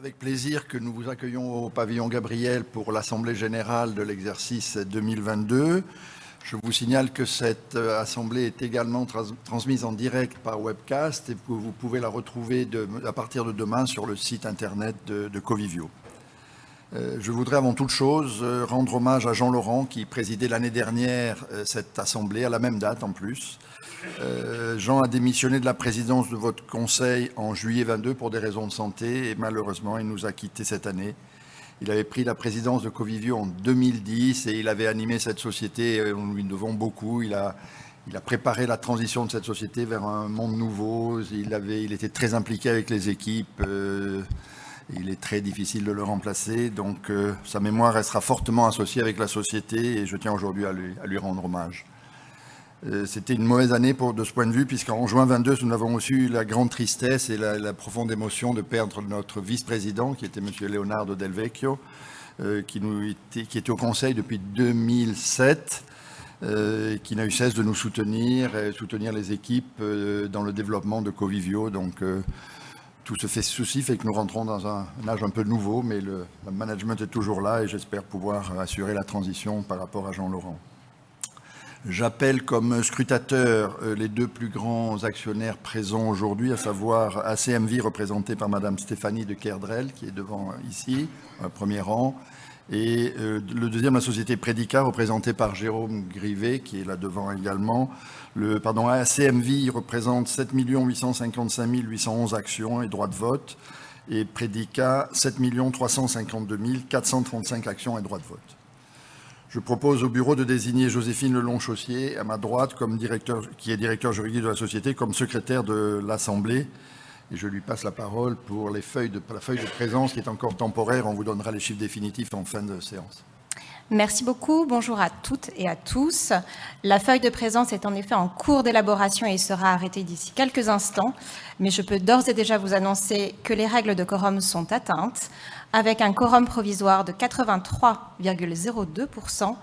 C'est avec plaisir que nous vous accueillons au Pavillon Gabriel pour l'assemblée générale de l'exercice 2022. Je vous signale que cette assemblée est également transmise en direct par webcast et que vous pouvez la retrouver à partir de demain sur le site internet de Covivio. Je voudrais avant toute chose rendre hommage à Jean Laurent, qui présidait l'année dernière cette assemblée, à la même date en plus. Jean a démissionné de la présidence de votre conseil en juillet 2022 pour des raisons de santé et malheureusement, il nous a quittés cette année. Il avait pris la présidence de Covivio en 2010 et il avait animé cette société et nous lui devons beaucoup. Il a préparé la transition de cette société vers un monde nouveau. Il était très impliqué avec les équipes. Il est très difficile de le remplacer. Sa mémoire restera fortement associée avec la société et je tiens aujourd'hui à lui rendre hommage. C'était une mauvaise année de ce point de vue, puisqu'en June 2022, nous avons reçu la grande tristesse et la profonde émotion de perdre notre Vice-Chairman, qui était Monsieur Leonardo Del Vecchio, qui était au conseil depuis 2007, qui n'a eu cesse de nous soutenir et soutenir les équipes dans le développement de Covivio. Tous ces soucis fait que nous rentrons dans un âge un peu nouveau, mais le management est toujours là et j'espère pouvoir assurer la transition par rapport à Jean Laurent. J'appelle comme scrutateurs les deux plus grands actionnaires présents aujourd'hui, à savoir ACMV, représentée par Madame Stéphanie de Kerdrel, qui est devant ici, au premier rang. Le deuxième, la société Predica, représentée par Jérôme Grivet, qui est là devant également. Pardon, ACMV représente 7,855,811 actions et droits de vote, et Predica, 7,352,435 actions et droits de vote. Je propose au bureau de désigner Joséphine Lelong-Chaussier, à ma droite, qui est Directrice Juridique de la société, comme secrétaire de l'Assemblée. Je lui passe la parole pour la feuille de présence, qui est encore temporaire. On vous donnera les chiffres définitifs en fin de séance. Merci beaucoup. Bonjour à toutes et à tous. La feuille de présence est en effet en cours d'élaboration et sera arrêtée d'ici quelques instants, mais je peux d'ores et déjà vous annoncer que les règles de quorum sont atteintes avec un quorum provisoire de 83.02%,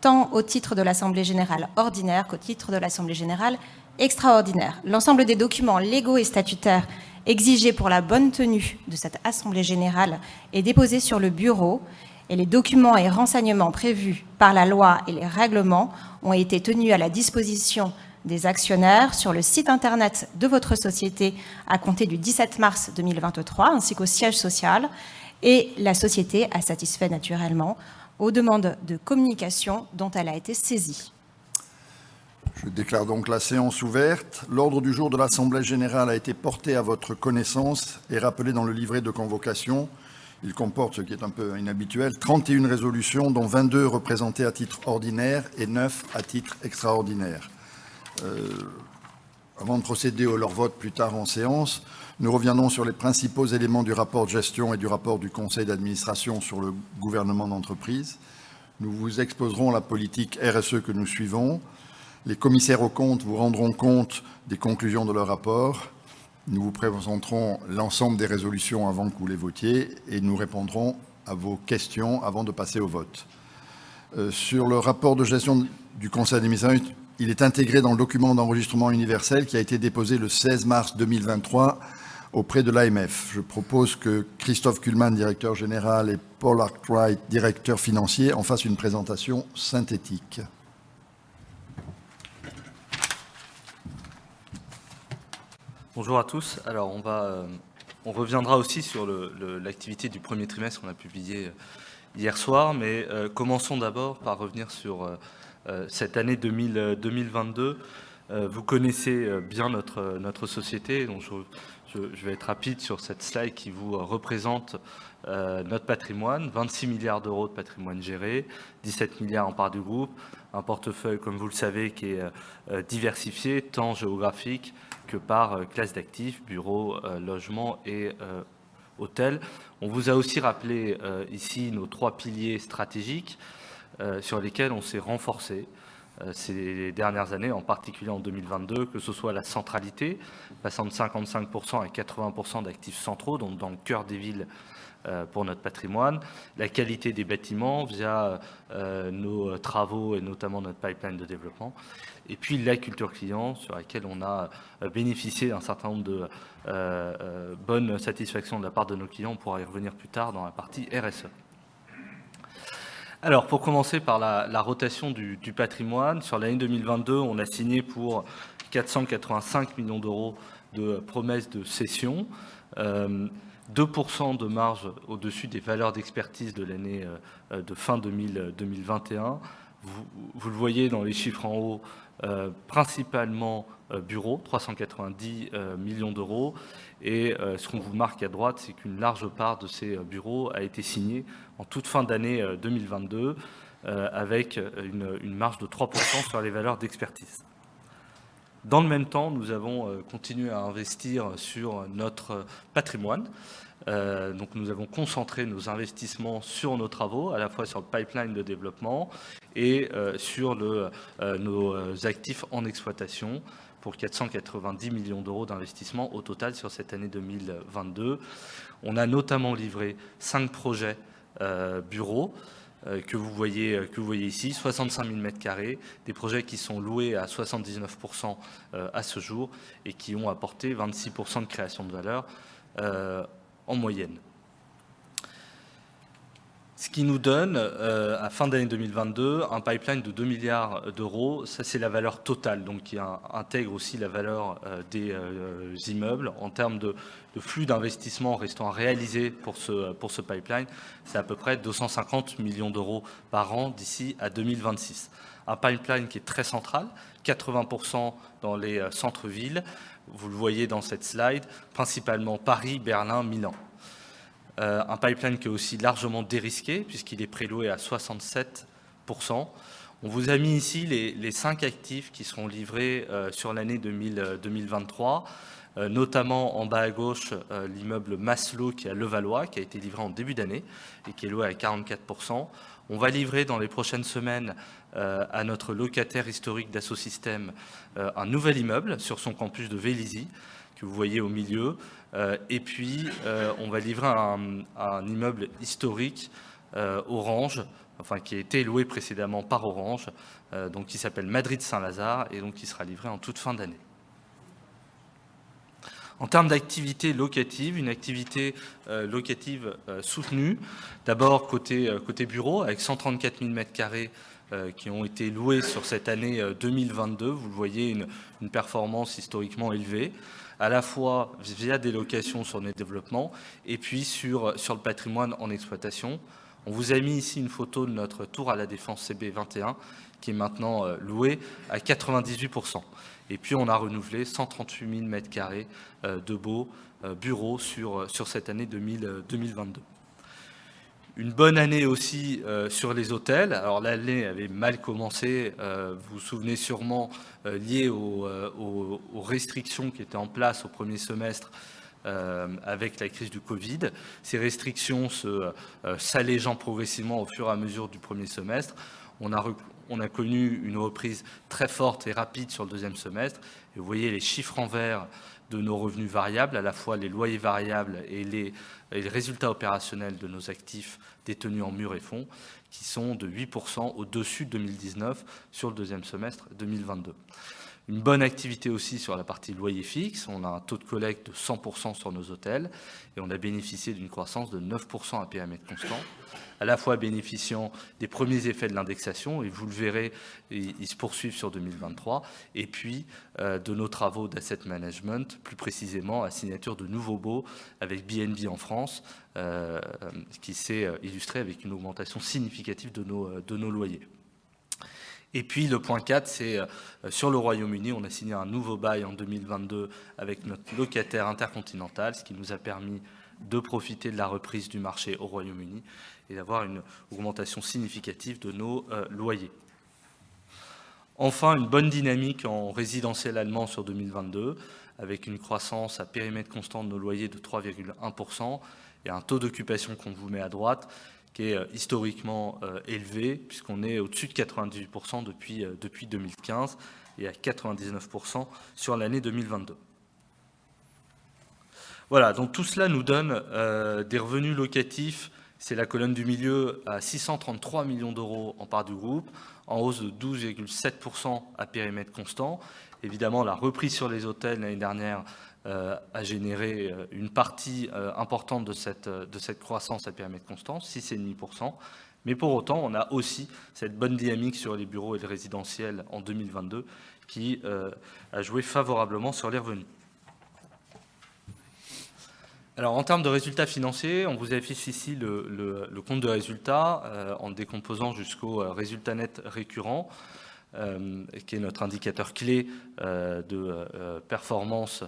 tant au titre de l'assemblée générale ordinaire qu'au titre de l'assemblée générale extraordinaire. L'ensemble des documents légaux et statutaires exigés pour la bonne tenue de cette assemblée générale est déposé sur le bureau et les documents et renseignements prévus par la loi et les règlements ont été tenus à la disposition des actionnaires sur le site internet de votre société à compter du 17 mars 2023 ainsi qu'au siège social. La société a satisfait naturellement aux demandes de communication dont elle a été saisie. Je déclare la séance ouverte. L'ordre du jour de l'assemblée générale a été porté à votre connaissance et rappelé dans le livret de convocation. Il comporte, ce qui est un peu inhabituel, trente-et-une résolutions, dont vingt-deux représentées à titre ordinaire et neuf à titre extraordinaire. Avant de procéder au leur vote plus tard en séance, nous reviendrons sur les principaux éléments du rapport de gestion et du rapport du conseil d'administration sur le gouvernement d'entreprise. Nous vous exposerons la politique RSE que nous suivons. Les commissaires aux comptes vous rendront compte des conclusions de leur rapport. Nous vous présenterons l'ensemble des résolutions avant que vous les votiez et nous répondrons à vos questions avant de passer au vote. Sur le rapport de gestion du conseil d'administration, il est intégré dans le document d'enregistrement universel qui a été déposé le seize mars deux mille vingt-trois auprès de l'AMF. Je propose que Christophe Kullmann, Directeur Général, et Paul Arkwright, Directeur Financier, en fassent une présentation synthétique. Bonjour à tous. On reviendra aussi sur l'activité du premier trimestre qu'on a publiée hier soir. Commençons d'abord par revenir sur cette année 2022. Vous connaissez bien notre société, donc je vais être rapide sur cette slide qui vous représente notre patrimoine, 26 billion de patrimoine géré, 17 billion en parts du groupe. Un portefeuille, comme vous le savez, qui est diversifié tant géographique que par classe d'actifs, bureaux, logements et hôtels. On vous a aussi rappelé ici nos trois piliers stratégiques sur lesquels on s'est renforcés ces dernières années, en particulier en 2022, que ce soit la centralité, passant de 55% à 80% d'actifs centraux, donc dans le cœur des villes pour notre patrimoine, la qualité des bâtiments via nos travaux et notamment notre pipeline de développement. La culture client sur laquelle on a bénéficié d'un certain nombre de bonnes satisfactions de la part de nos clients. On pourra y revenir plus tard dans la partie RSE. Pour commencer par la rotation du patrimoine. Sur l'année 2022, on a signé pour 485 million de promesses de cession, 2% de marge au-dessus des valeurs d'expertise de l'année de fin 2021. Vous le voyez dans les chiffres en haut, principalement bureaux, 390 million. Ce qu'on vous marque à droite, c'est qu'une large part de ces bureaux a été signée en toute fin d'année 2022, avec une marge de 3% sur les valeurs d'expertise. Dans le même temps, nous avons continué à investir sur notre patrimoine. Nous avons concentré nos investissements sur nos travaux, à la fois sur le pipeline de développement et sur nos actifs en exploitation pour 490 million d'investissements au total sur cette année 2022. On a notamment livré 5 projets bureaux que vous voyez ici, 65,000 mètres carrés. Des projets qui sont loués à 79% à ce jour et qui ont apporté 26% de création de valeur en moyenne. Ce qui nous donne à fin d'année 2022, un pipeline de 2 billion. C'est la valeur totale qui intègre aussi la valeur des immeubles. En termes de flux d'investissement restant à réaliser pour ce pipeline, c'est à peu près 250 million par an d'ici à 2026. Un pipeline qui est très central, 80% dans les centres-villes. Vous le voyez dans cette slide, principalement Paris, Berlin, Milan. Un pipeline qui est aussi largement dérisqué puisqu'il est pré-loué à 67%. On vous a mis ici les 5 actifs qui seront livrés sur l'année 2023, notamment en bas à gauche, l'immeuble Maslö, qui est à Levallois, qui a été livré en début d'année et qui est loué à 44%. On va livrer dans les prochaines semaines à notre locataire historique, Dassault Systèmes, un nouvel immeuble sur son campus de Vélizy, que vous voyez au milieu. On va livrer un immeuble historique, Orange, enfin, qui était loué précédemment par Orange, donc qui s'appelle Madrid Saint-Lazare et donc qui sera livré en toute fin d'année. En termes d'activité locative, une activité locative soutenue. D'abord, côté bureau, avec 134,000 square meters qui ont été loués sur cette année 2022. Vous le voyez, une performance historiquement élevée, à la fois via des locations sur nos développements et puis sur le patrimoine en exploitation. On vous a mis ici une photo de notre tour à la Défense CB21, qui est maintenant louée à 98%. On a renouvelé 138,000 square meters de beaux bureaux sur cette année 2022. Une bonne année aussi sur les hôtels. L'année avait mal commencé, vous vous souvenez sûrement, liée aux restrictions qui étaient en place au premier semestre, avec la crise du COVID. Ces restrictions s'allégeant progressivement au fur et à mesure du premier semestre. On a connu une reprise très forte et rapide sur le second semester. Vous voyez les chiffres en vert de nos revenus variables, à la fois les loyers variables et les résultats opérationnels de nos actifs détenus en murs et fonds qui sont de 8% au-dessus de 2019 sur le second semester 2022. Une bonne activité aussi sur la partie loyers fixes. On a un taux de collecte de 100% sur nos hôtels et on a bénéficié d'une croissance de 9% à périmètre constant, à la fois bénéficiant des premiers effets de l'indexation et vous le verrez, ils se poursuivent sur 2023. Puis de nos travaux d'asset management, plus précisément la signature de nouveaux baux avec BNB en France, qui s'est illustré avec une augmentation significative de nos loyers. Le point 4, c'est sur le Royaume-Uni. On a signé un nouveau bail en 2022 avec notre locataire InterContinental, ce qui nous a permis de profiter de la reprise du marché au Royaume-Uni et d'avoir une augmentation significative de nos loyers. Une bonne dynamique en résidentiel allemand sur 2022, avec une croissance à périmètre constant de nos loyers de 3.1% et un taux d'occupation qu'on vous met à droite qui est historiquement élevé puisqu'on est au-dessus de 98% depuis 2015 et à 99% sur l'année 2022. Tout cela nous donne des revenus locatifs, c'est la colonne du milieu, à 633 million en part du groupe, en hausse de 12.7% à périmètre constant. Évidemment, la reprise sur les hôtels l'année dernière a généré une partie importante de cette croissance à périmètre constant: 6.5%. Pour autant, on a aussi cette bonne dynamique sur les bureaux et le résidentiel en 2022 qui a joué favorablement sur les revenus. En termes de résultats financiers, on vous affiche ici le compte de résultats en décomposant jusqu'au résultat net récurrent, qui est notre indicateur clé de performance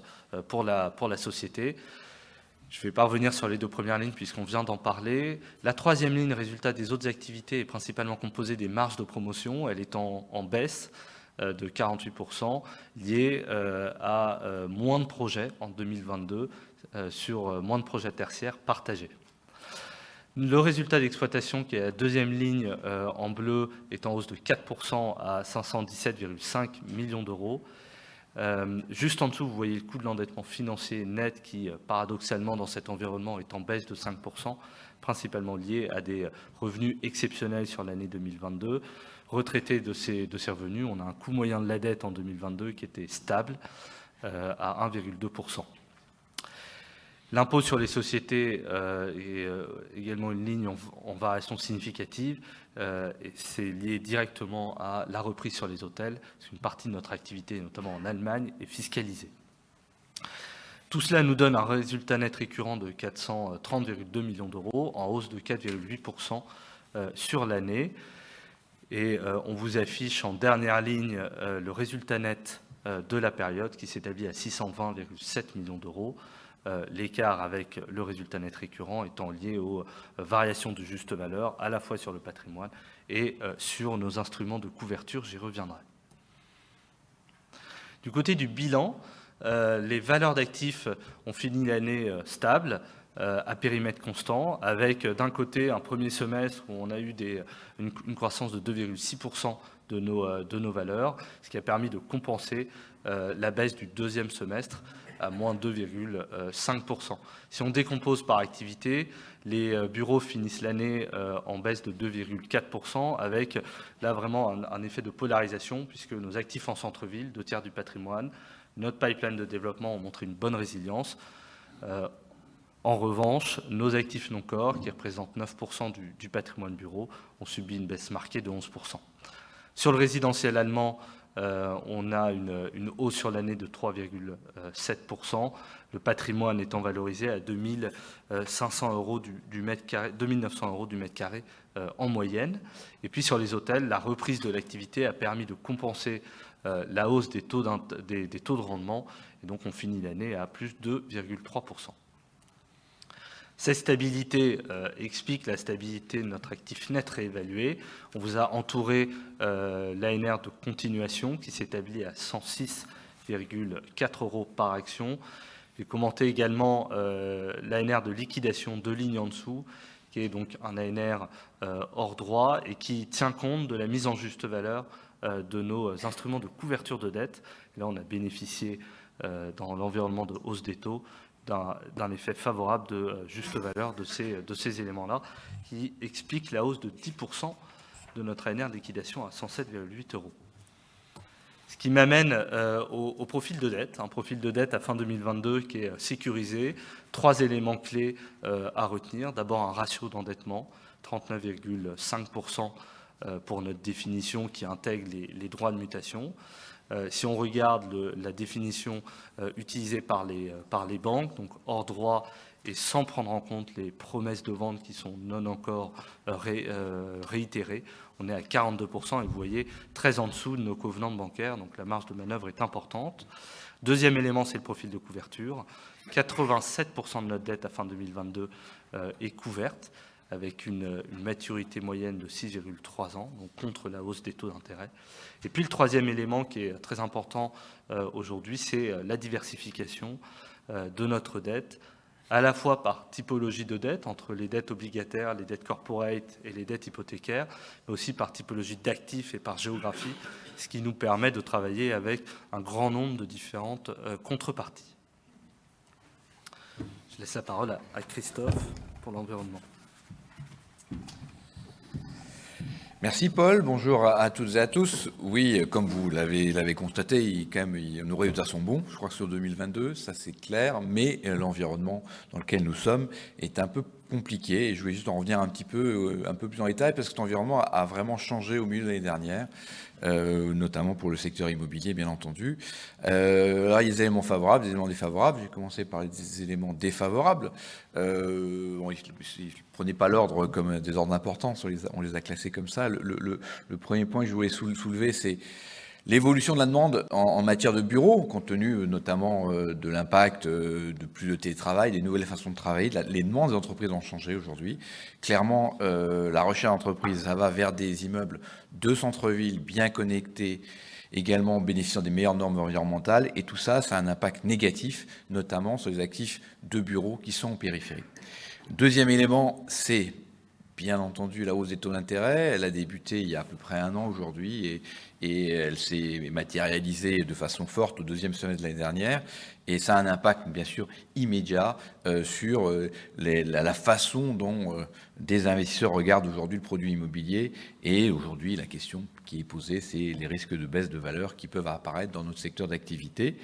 pour la société. Je ne vais pas revenir sur les deux premières lignes puisqu'on vient d'en parler. La troisième ligne, résultats des autres activités, est principalement composée des marges de promotion. Elle est en baisse de 48% liée à moins de projets en 2022, sur moins de projets tertiaires partagés. Le résultat d'exploitation, qui est la deuxième ligne, en bleu, est en hausse de 4% à 517.5 million. Juste en dessous, vous voyez le coût de l'endettement financier net qui, paradoxalement, dans cet environnement, est en baisse de 5%, principalement lié à des revenus exceptionnels sur l'année 2022. Retraités de ces revenus, on a un coût moyen de la dette en 2022 qui était stable, à 1.2%. L'impôt sur les sociétés est également une ligne en variation significative. C'est lié directement à la reprise sur les hotels. Parce qu'une partie de notre activité, notamment en Allemagne, est fiscalisée. Tout cela nous donne un résultat net récurrent de 430.2 million, en hausse de 4.8%, sur l'année. On vous affiche en dernière ligne, le résultat net de la période qui s'établit à 620.7 million, l'écart avec le résultat net récurrent étant lié aux variations de juste valeur, à la fois sur le patrimoine et sur nos instruments de couverture. J'y reviendrai. Du côté du bilan, les valeurs d'actifs ont fini l'année stables à périmètre constant, avec d'un côté un premier semestre où on a eu une croissance de 2.6% de nos, de nos valeurs, ce qui a permis de compenser la baisse du deuxième semestre à -2.5%. Si on décompose par activité, les bureaux finissent l'année en baisse de 2.4% avec, là, vraiment un effet de polarisation puisque nos actifs en centre-ville, 2/3 du patrimoine, notre pipeline de développement, ont montré une bonne résilience. En revanche, nos actifs non core, qui représentent 9% du patrimoine bureau, ont subi une baisse marquée de 11%. Sur le résidentiel allemand, on a une hausse sur l'année de 3.7%, le patrimoine étant valorisé à EUR 2,900 du mètre carré en moyenne. Sur les hôtels, la reprise de l'activité a permis de compenser la hausse des taux de rendement et donc on finit l'année à +2.3%. Cette stabilité explique la stabilité de notre actif net réévalué. On vous a entouré l'ANR de continuation qui s'établit à 106.4 euros par action. J'ai commenté également l'ANR de liquidation deux lignes en dessous, qui est donc un ANR hors droits et qui tient compte de la mise en juste valeur de nos instruments de couverture de dette. Là, on a bénéficié dans l'environnement de hausse des taux, d'un effet favorable de juste valeur de ces éléments-là, qui explique la hausse de 10% de notre ANR de liquidation à 107.8 euros. Ce qui m'amène au profil de dette. Un profil de dette à fin 2022 qui est sécurisé. Trois éléments clés à retenir. D'abord, un ratio d'endettement, 39.5% pour notre définition qui intègre les droits de mutation. Si on regarde la définition utilisée par les banques, donc hors droits et sans prendre en compte les promesses de vente qui sont non encore réitérées, on est à 42% et vous voyez, très en dessous de nos covenants bancaires, donc la marge de manœuvre est importante. Deuxième élément, c'est le profil de couverture. 87% de notre dette à fin 2022 est couverte avec une maturité moyenne de 6.3 ans, donc contre la hausse des taux d'intérêt. Le troisième élément qui est très important, aujourd'hui, c'est la diversification de notre dette, à la fois par typologie de dette, entre les dettes obligataires, les dettes corporate et les dettes hypothécaires, mais aussi par typologie d'actifs et par géographie, ce qui nous permet de travailler avec un grand nombre de différentes contreparties. Je laisse la parole à Christophe pour l'environnement. Merci Paul. Bonjour à toutes et à tous. Oui, comme vous l'avez constaté, quand même, nos résultats sont bons. Je crois que sur 2022, ça, c'est clair, mais l'environnement dans lequel nous sommes est un peu compliqué. Je voulais juste en revenir un petit peu, un peu plus en détail, parce que cet environnement a vraiment changé au milieu de l'année dernière, notamment pour le secteur immobilier, bien entendu. Il y a des éléments favorables, des éléments défavorables. Je vais commencer par les éléments défavorables. Ne prenez pas l'ordre comme des ordres d'importance, on les a classés comme ça. Le premier point que je voulais soulever, c'est l'évolution de la demande en matière de bureaux, compte tenu notamment de l'impact de plus de télétravail, des nouvelles façons de travailler. Les demandes des entreprises ont changé aujourd'hui. Clairement, la recherche d'entreprise, ça va vers des immeubles de centre-ville bien connectés, également bénéficiant des meilleures normes environnementales. Et tout ça a un impact négatif, notamment sur les actifs de bureaux qui sont en périphérie. Deuxième élément, c'est bien entendu la hausse des taux d'intérêt. Elle a débuté il y a à peu près 1 an aujourd'hui et elle s'est matérialisée de façon forte au deuxième semestre de l'année dernière. Et ça a un impact, bien sûr, immédiat, sur la façon dont des investisseurs regardent aujourd'hui le produit immobilier. Et aujourd'hui, la question qui est posée, c'est les risques de baisse de valeur qui peuvent apparaître dans notre secteur d'activité.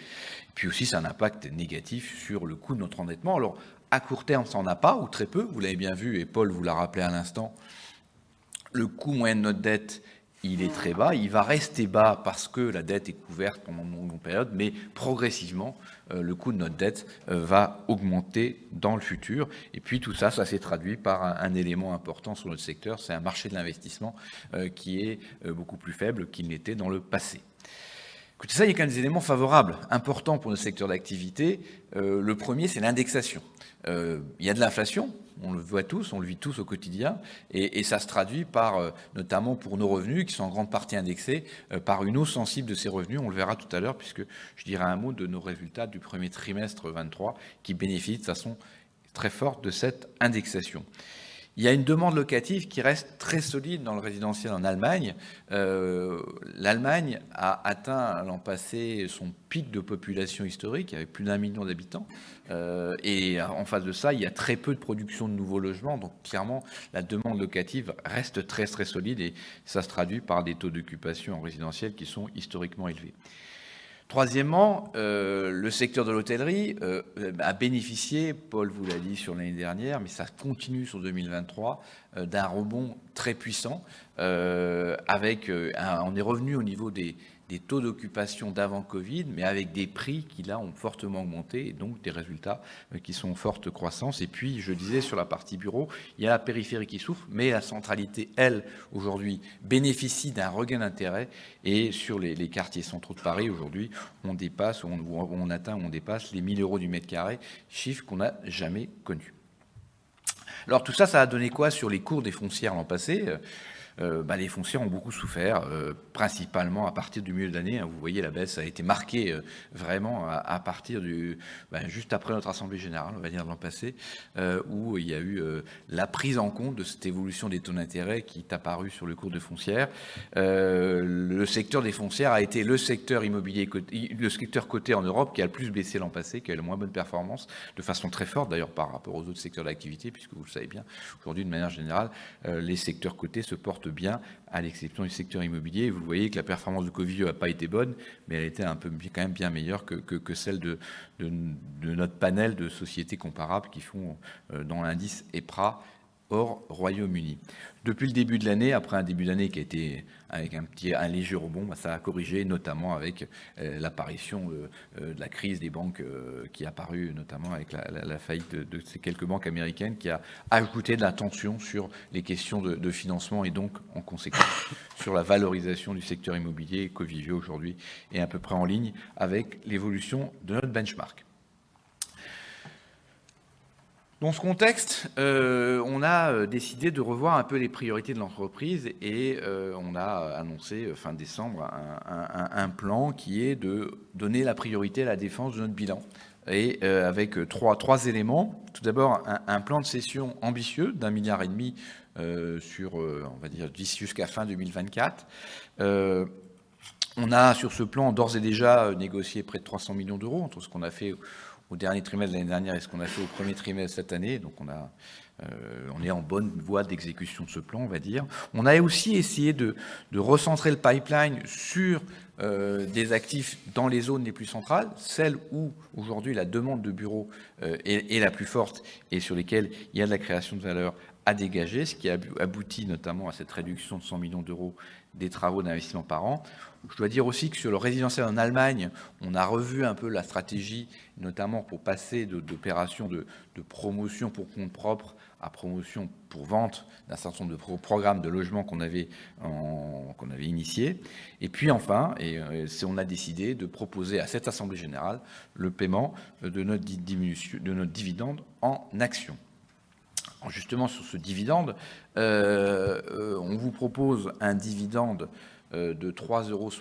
Puis aussi, ça a un impact négatif sur le coût de notre endettement. Alors, à court terme, ça n'en a pas ou très peu. Vous l'avez bien vu et Paul vous l'a rappelé à l'instant, le coût moyen de notre dette, il est très bas. Il va rester bas parce que la dette est couverte pendant une longue période, mais progressivement, le coût de notre dette va augmenter dans le futur. Et puis tout ça s'est traduit par un élément important sur notre secteur, c'est un marché de l'investissement qui est beaucoup plus faible qu'il n'était dans le passé. Écoutez, ça, il y a quand même des éléments favorables, importants pour notre secteur d'activité. Le premier, c'est l'indexation. Il y a de l'inflation, on le voit tous, on le vit tous au quotidien et ça se traduit par, notamment pour nos revenus qui sont en grande partie indexés, par une hausse sensible de ces revenus. On le verra tout à l'heure puisque je dirai un mot de nos résultats du premier trimestre 2023 qui bénéficient de façon très forte de cette indexation. Il y a une demande locative qui reste très solide dans le résidentiel en Allemagne. L'Allemagne a atteint l'an passé son pic de population historique avec plus d'1 million d'habitants. Et en face de ça, il y a très peu de production de nouveaux logements. Clairement, la demande locative reste très très solide et ça se traduit par des taux d'occupation en résidentiel qui sont historiquement élevés. Troisièmement, le secteur de l'hôtellerie a bénéficié, Paul vous l'a dit sur l'année dernière, mais ça continue sur 2023, d'un rebond très puissant. On est revenu au niveau des taux d'occupation d'avant Covid, mais avec des prix qui, là, ont fortement augmenté et donc des résultats qui sont en forte croissance. Puis, je disais, sur la partie bureau, il y a la périphérie qui souffre, mais la centralité, elle, aujourd'hui, bénéficie d'un regain d'intérêt. Sur les quartiers centraux de Paris, aujourd'hui, on dépasse les 1,000 euros du mètre carré, chiffre qu'on n'a jamais connu. Tout ça a donné quoi sur les cours des foncières l'an passé? Bah, les foncières ont beaucoup souffert, principalement à partir du milieu de l'année. Vous voyez, la baisse a été marquée, vraiment à partir juste après notre assemblée générale, on va dire, de l'an passé, où il y a eu la prise en compte de cette évolution des taux d'intérêt qui est apparue sur le cours de foncière. Le secteur des foncières a été le secteur immobilier le secteur coté en Europe qui a le plus baissé l'an passé, qui a eu la moins bonne performance, de façon très forte d'ailleurs, par rapport aux autres secteurs d'activité, puisque vous le savez bien, aujourd'hui, de manière générale, les secteurs cotés se portent bien, à l'exception du secteur immobilier. Vous le voyez que la performance de Covivio n'a pas été bonne, mais elle a été un peu quand même bien meilleure que celle de notre panel de sociétés comparables qui font dans l'indice EPRA hors Royaume-Uni. Depuis le début de l'année, après un début d'année qui était avec un léger rebond, ben ça a corrigé, notamment avec l'apparition de la crise des banques. Qui apparue notamment avec la faillite de ces quelques banques américaines qui a ajoutée de l'attention sur les questions de financement et donc en conséquence sur la valorisation du secteur immobilier qu'Covivio aujourd'hui est à peu près en ligne avec l'évolution de notre benchmark. Dans ce contexte, on a décidé de revoir un peu les priorités de l'entreprise et, on a annoncé fin December un plan qui est de donner la priorité à la défense de notre bilan. Avec trois éléments. Tout d'abord, un plan de cession ambitieux d'EUR 1.5 billion, sur, on va dire d'ici jusqu'à fin 2024. On a, sur ce plan, d'ores et déjà négocié près de 300 million entre ce qu'on a fait au dernier trimestre l'année dernière et ce qu'on a fait au premier trimestre cette année. On a, on est en bonne voie d'exécution de ce plan, on va dire. On a aussi essayé de recentrer le pipeline sur des actifs dans les zones les plus centrales, celles où aujourd'hui la demande de bureaux est la plus forte et sur lesquelles il y a de la création de valeur à dégager, ce qui a abouti notamment à cette réduction de 100 million des travaux d'investissement par an. Je dois dire aussi que sur le résidentiel en Allemagne, on a revu un peu la stratégie, notamment pour passer d'opérations de promotion pour compte propre à promotion pour vente d'un certain nombre de programmes de logements qu'on avait initiés. Enfin, on a décidé de proposer à cette assemblée générale le paiement de notre dividende en actions. Justement, sur ce dividende, on vous propose un dividende de 3.75 euros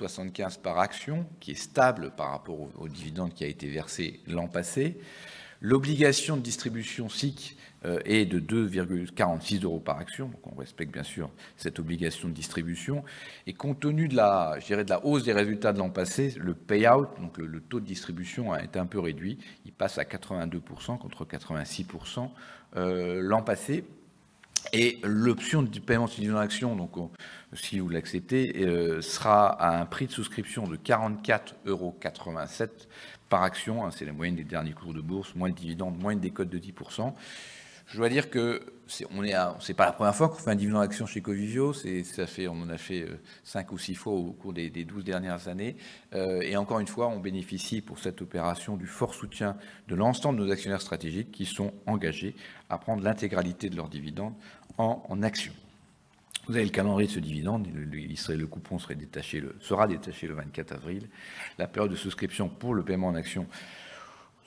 par action qui est stable par rapport au dividende qui a été versé l'an passé. L'obligation de distribution SIC est de 2.46 euros par action. On respecte bien sûr cette obligation de distribution. Compte tenu de la hausse des résultats de l'an passé, le payout, donc le taux de distribution, a été un peu réduit. Il passe à 82% contre 86% l'an passé. L'option de paiement du dividende action, donc si vous l'acceptez, sera à un prix de souscription de 44.87 euros par action. C'est la moyenne des derniers cours de bourse, moins le dividende, moins une décote de 10%. Je dois dire que c'est pas la première fois qu'on fait un dividende action chez Covivio. Ça fait, on en a fait 5 ou 6 fois au cours des 12 dernières années. Encore une fois, on bénéficie pour cette opération du fort soutien de l'ensemble de nos actionnaires stratégiques qui sont engagés à prendre l'intégralité de leur dividende en actions. Vous avez le calendrier de ce dividende. Le coupon sera détaché le 24 avril. La période de souscription pour le paiement en actions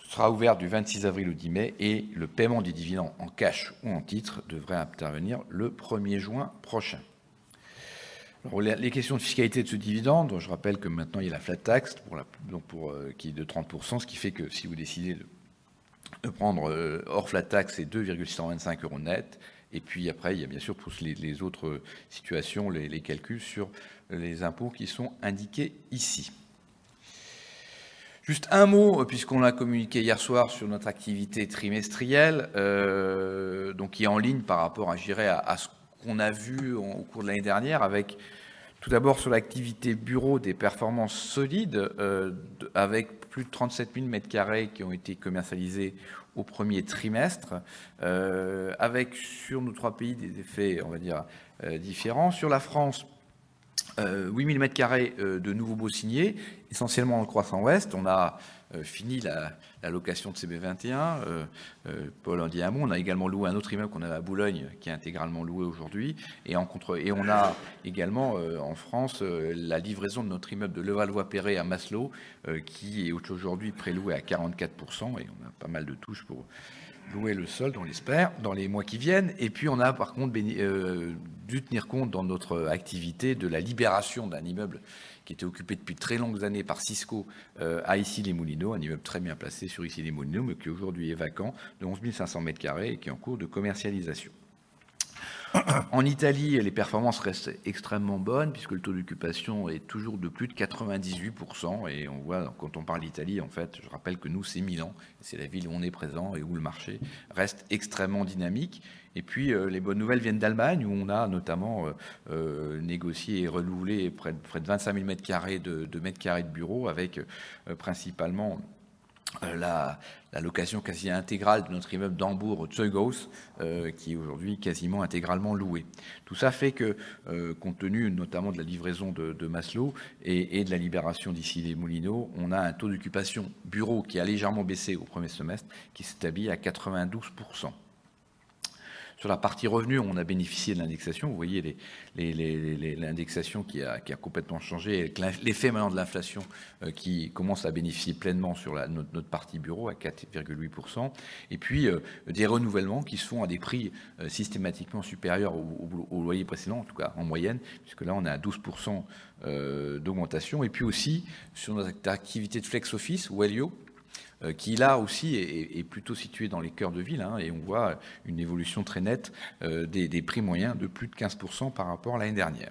sera ouverte du 26 avril au 10 mai. Le paiement des dividendes en cash ou en titres devrait intervenir le premier juin prochain. Les questions de fiscalité de ce dividende, je rappelle que maintenant, il y a la flat tax qui est de 30%, ce qui fait que si vous décidez de prendre hors flat tax, c'est 2.125 euros nets. Après, il y a bien sûr tous les autres situations, les calculs sur les impôts qui sont indiqués ici. Juste un mot, puisqu'on l'a communiqué hier soir, sur notre activité trimestrielle, qui est en ligne par rapport à, je dirais, à ce qu'on a vu au cours de l'année dernière, avec tout d'abord sur l'activité bureau, des performances solides, avec plus de 37,000 sq m qui ont été commercialisés au 1st quarter, avec sur nos trois pays des effets, on va dire, différents. Sur la France, 8,000 sq m de nouveaux baux signés, essentiellement dans le croissant ouest. On a fini la location de CB21, Paul-Henri d'Anemond. On a également loué un autre immeuble qu'on avait à Boulogne, qui est intégralement loué aujourd'hui. On a également, en France, la livraison de notre immeuble de Levallois-Perret à Maslö, qui est aujourd'hui pré-loué à 44% et on a pas mal de touches pour louer le sol, on l'espère, dans les mois qui viennent. On a, par contre, dû tenir compte dans notre activité de la libération d'un immeuble qui était occupé depuis de très longues années par Cisco, à Issy-les-Moulineaux, un immeuble très bien placé sur Issy-les-Moulineaux, mais qui aujourd'hui est vacant, de 11,500 sq m et qui est en cours de commercialisation. In Italy, the performances remain extremely good since the occupancy rate is always more than 98%. We see, when we talk about Italy, in fact, I remind you that for us, it's Milan, it's the city where we are present and where the market remains extremely dynamic. Then, the good news comes from Germany, where we notably negotiated and renewed près de 25,000 mètres carrés de bureaux, with primarily the quasi-integral lease of our Hamburg building, The Goose, which is today almost entirely leased. All this means that, given notably the delivery of Maslö and the liberation of Issy-les-Moulineaux, we have an office occupancy rate that slightly decreased in the premier semestre, which stands at 92%. On the revenue side, we benefited from indexation. Vous voyez l'indexation qui a complètement changé avec l'effet maintenant de l'inflation qui commence à bénéficier pleinement sur notre partie bureau à 4.8%. Des renouvellements qui se font à des prix systématiquement supérieurs au loyer précédent, en tout cas en moyenne, puisque là, on est à 12% d'augmentation. Aussi sur notre activité de flex office, Wellio, qui là aussi est plutôt situé dans les cœurs de ville, et on voit une évolution très nette des prix moyens de plus de 15% par rapport à l'année dernière.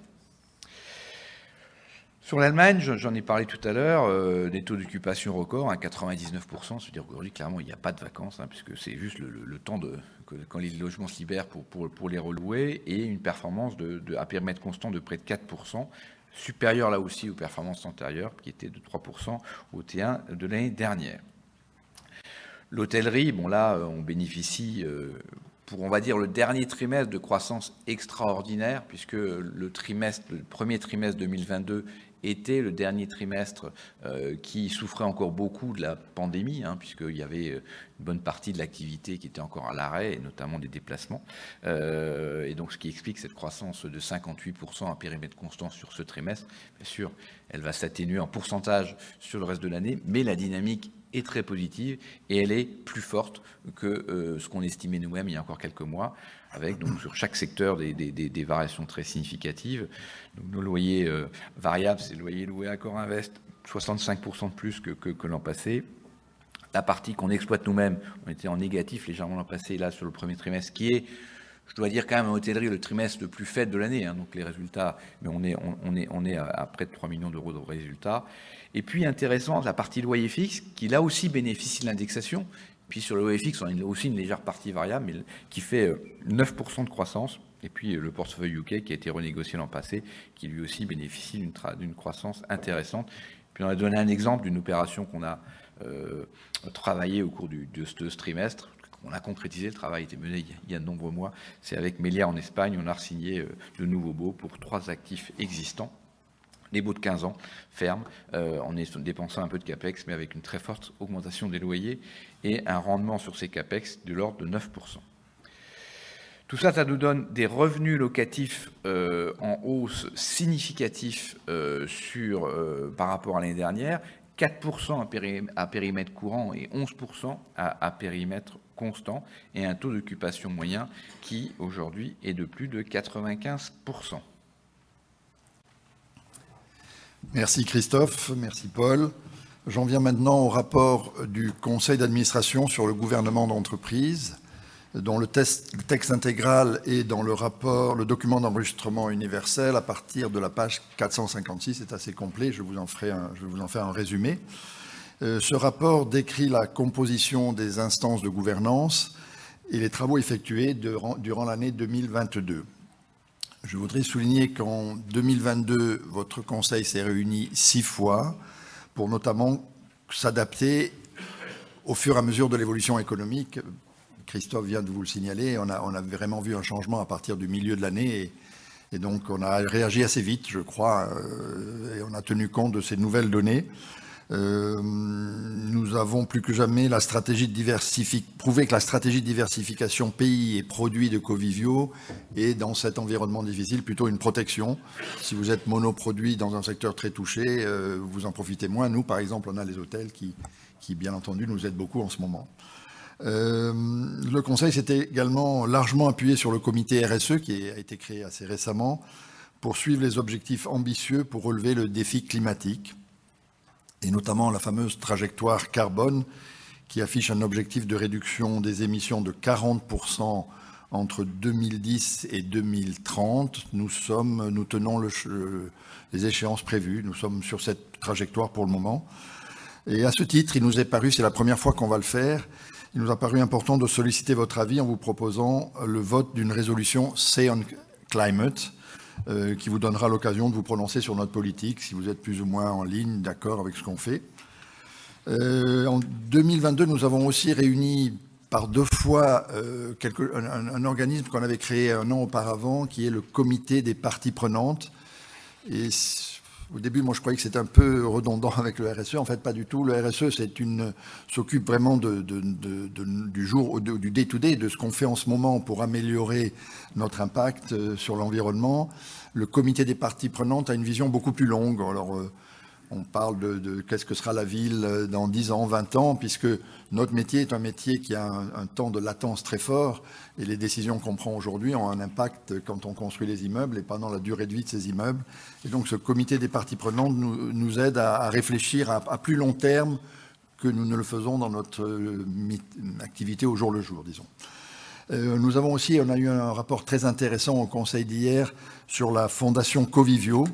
Sur l'Allemagne, j'en ai parlé tout à l'heure, des taux d'occupation record à 99%. C'est-à-dire que clairement, il n'y a pas de vacances, hein, puisque c'est juste le temps de que quand les logements se libèrent pour les relouer et une performance à périmètre constant de près de 4%, supérieure là aussi aux performances antérieures qui étaient de 3% au T1 de l'année dernière. L'hôtellerie, bon là, on bénéficie pour, on va dire, le dernier trimestre de croissance extraordinaire, puisque le premier trimestre 2022 était le dernier trimestre qui souffrait encore beaucoup de la pandémie, hein, puisque il y avait une bonne partie de l'activité qui était encore à l'arrêt, et notamment des déplacements. Ce qui explique cette croissance de 58% à périmètre constant sur ce trimestre. Bien sûr, elle va s'atténuer en pourcentage sur le reste de l'année. La dynamique est très positive et elle est plus forte que ce qu'on estimait nous-mêmes il y a encore quelques mois, avec, donc, sur chaque secteur, des variations très significatives. Nos loyers variables, c'est les loyers loués à AccorInvest, 65% de plus que l'an passé. La partie qu'on exploite nous-mêmes, on était en négatif légèrement l'an passé, là, sur le premier trimestre, qui est, je dois dire quand même, en hôtellerie, le trimestre le plus faible de l'année. On est à près de 3 million de résultats. Intéressant, la partie loyers fixes, qui là aussi bénéficie de l'indexation. Sur le loyer fixe, on a aussi une légère partie variable qui fait 9% de croissance. Puis le portefeuille UK, qui a été renégocié l'an passé, qui lui aussi bénéficie d'une croissance intéressante. Puis on a donné un exemple d'une opération qu'on a travaillée au cours de ce trimestre. On a concrétisé, le travail a été mené il y a de nombreux mois. C'est avec Meliá, en Espagne. On a resigné de nouveaux baux pour 3 actifs existants. Des baux de 15 ans, fermes, en dépensant un peu de CapEx, mais avec une très forte augmentation des loyers et un rendement sur ces CapEx de l'ordre de 9%. Tout ça nous donne des revenus locatifs en hausse significatifs sur, par rapport à l'année dernière: 4% à périmètre courant et 11% à périmètre constant et un taux d'occupation moyen qui, aujourd'hui, est de plus de 95%. Merci Christophe, merci Paul. J'en viens maintenant au rapport du conseil d'administration sur le gouvernement d'entreprise, dont le texte intégral est dans le rapport, le document d'enregistrement universel, à partir de la page 456. C'est assez complet, je vous en fais un résumé. Ce rapport décrit la composition des instances de gouvernance et les travaux effectués durant l'année 2022. Je voudrais souligner qu'en 2022, votre conseil s'est réuni 6 fois pour notamment s'adapter au fur et à mesure de l'évolution économique. Christophe vient de vous le signaler. On a vraiment vu un changement à partir du milieu de l'année et, donc, on a réagi assez vite, je crois, et on a tenu compte de ces nouvelles données. Nous avons plus que jamais la stratégie de diversification pays et produits de Covivio est, dans cet environnement difficile, plutôt une protection. Si vous êtes monoproduit dans un secteur très touché, vous en profitez moins. Nous, par exemple, on a les hôtels qui, bien entendu, nous aident beaucoup en ce moment. Le conseil s'est également largement appuyé sur le comité RSE, qui a été créé assez récemment, pour suivre les objectifs ambitieux pour relever le défi climatique, et notamment la fameuse trajectoire carbone, qui affiche un objectif de réduction des émissions de 40% entre 2010 et 2030. Nous sommes, nous tenons les échéances prévues. Nous sommes sur cette trajectoire pour le moment. À ce titre, il nous est paru, c'est la première fois qu'on va le faire, il nous a paru important de solliciter votre avis en vous proposant le vote d'une résolution Say on Climate, qui vous donnera l'occasion de vous prononcer sur notre politique, si vous êtes plus ou moins en ligne, d'accord avec ce qu'on fait. En 2022, nous avons aussi réuni par deux fois un organisme qu'on avait créé un an auparavant, qui est le Comité des parties prenantes. Au début, moi, je croyais que c'était un peu redondant avec le RSE. En fait, pas du tout. Le RSE s'occupe vraiment du jour, du day to day, de ce qu'on fait en ce moment pour améliorer notre impact sur l'environnement. Le Comité des parties prenantes a une vision beaucoup plus longue. On parle de qu'est-ce que sera la ville dans 10 ans, 20 ans, puisque notre métier est un métier qui a un temps de latence très fort et les décisions qu'on prend aujourd'hui ont un impact quand on construit les immeubles et pas dans la durée de vie de ces immeubles. Ce comité des parties prenantes nous aide à réfléchir à plus long terme que nous ne le faisons dans notre activité au jour le jour, disons. Nous avons aussi, on a eu un rapport très intéressant au conseil d'hier sur la Fondation Covivio,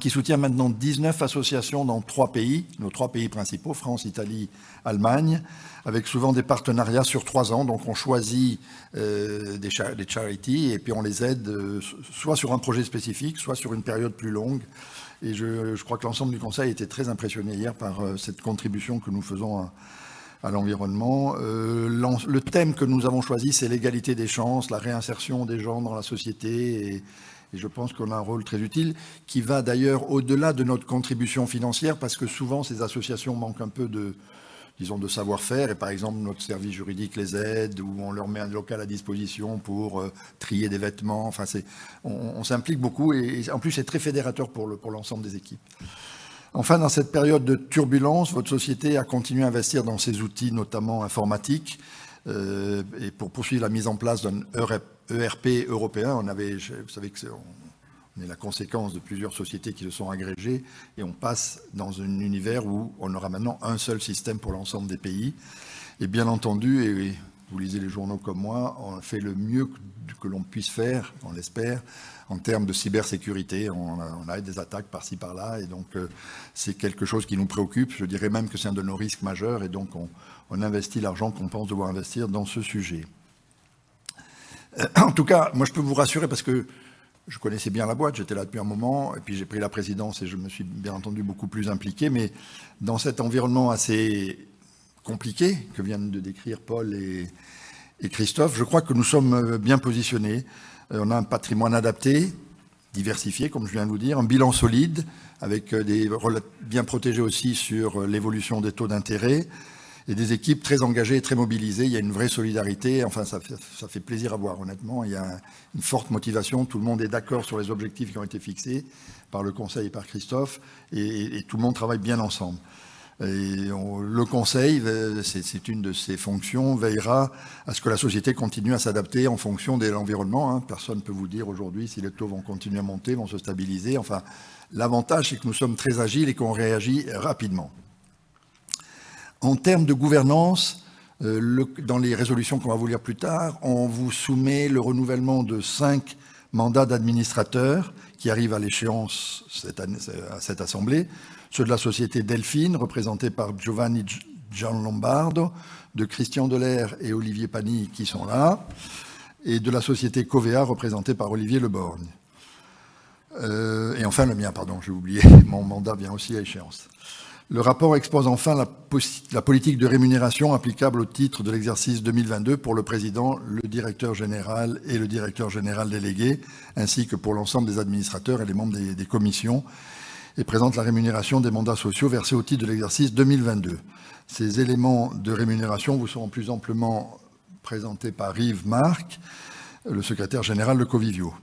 qui soutient maintenant 19 associations dans 3 pays, nos 3 pays principaux, France, Italie, Allemagne, avec souvent des partenariats sur 3 ans. On choisit des charity et puis on les aide soit sur un projet spécifique, soit sur une période plus longue. Je crois que l'ensemble du conseil a été très impressionné hier par cette contribution que nous faisons à l'environnement. Le thème que nous avons choisi, c'est l'égalité des chances, la réinsertion des gens dans la société. Je pense qu'on a un rôle très utile, qui va d'ailleurs au-delà de notre contribution financière, parce que souvent, ces associations manquent un peu de, disons, de savoir-faire. Par exemple, notre service juridique les aide ou on leur met un local à disposition pour trier des vêtements. On s'implique beaucoup et en plus, c'est très fédérateur pour l'ensemble des équipes. Dans cette période de turbulence, votre société a continué à investir dans ses outils, notamment informatiques, et pour poursuivre la mise en place d'un EUR-ERP européen. Vous savez que c'est, on est la conséquence de plusieurs sociétés qui se sont agrégées et on passe dans un univers où on aura maintenant un seul système pour l'ensemble des pays. Bien entendu, et vous lisez les journaux comme moi, on fait le mieux que l'on puisse faire, on l'espère, en termes de cybersecurity. On a des attaques par-ci, par-là. C'est quelque chose qui nous préoccupe. Je dirais même que c'est un de nos risques majeurs. On investit l'argent qu'on pense devoir investir dans ce sujet. En tout cas, moi, je peux vous rassurer parce que je connaissais bien la boîte. J'étais là depuis un moment et puis j'ai pris la présidence et je me suis bien entendu beaucoup plus impliqué. Dans cet environnement assez compliqué que viennent de décrire Paul et Christophe, je crois que nous sommes bien positionnés. On a un patrimoine adapté, diversifié, comme je viens de vous dire, un bilan solide avec des bien protégés aussi sur l'évolution des taux d'intérêt et des équipes très engagées et très mobilisées. Il y a une vraie solidarité. Enfin, ça fait plaisir à voir. Honnêtement, il y a une forte motivation. Tout le monde est d'accord sur les objectifs qui ont été fixés par le conseil et par Christophe et tout le monde travaille bien ensemble. Le conseil, c'est une de ses fonctions, veillera à ce que la société continue à s'adapter en fonction de l'environnement hein. Personne ne peut vous dire aujourd'hui si les taux vont continuer à monter, vont se stabiliser. Enfin, l'avantage, c'est que nous sommes très agiles et qu'on réagit rapidement. En termes de gouvernance, dans les résolutions qu'on va vous lire plus tard, on vous soumet le renouvellement de five mandats d'administrateurs qui arrivent à l'échéance à cette assemblée, ceux de la société Delphine, représentée par Giovanni Giallombardo, de Christian Delaire et Olivier Piani qui sont là, et de la société Covéa, représentée par Olivier Leborgne. Et enfin, le mien, pardon, j'ai oublié. Mon mandat vient aussi à échéance. Le rapport expose enfin la politique de rémunération applicable au titre de l'exercice 2022 pour le président, le directeur général et le directeur général délégué, ainsi que pour l'ensemble des administrateurs et les membres des commissions, et présente la rémunération des mandats sociaux versés au titre de l'exercice 2022. Ces éléments de rémunération vous seront plus amplement présentés par Yves Marque, le Secrétaire Général de Covivio.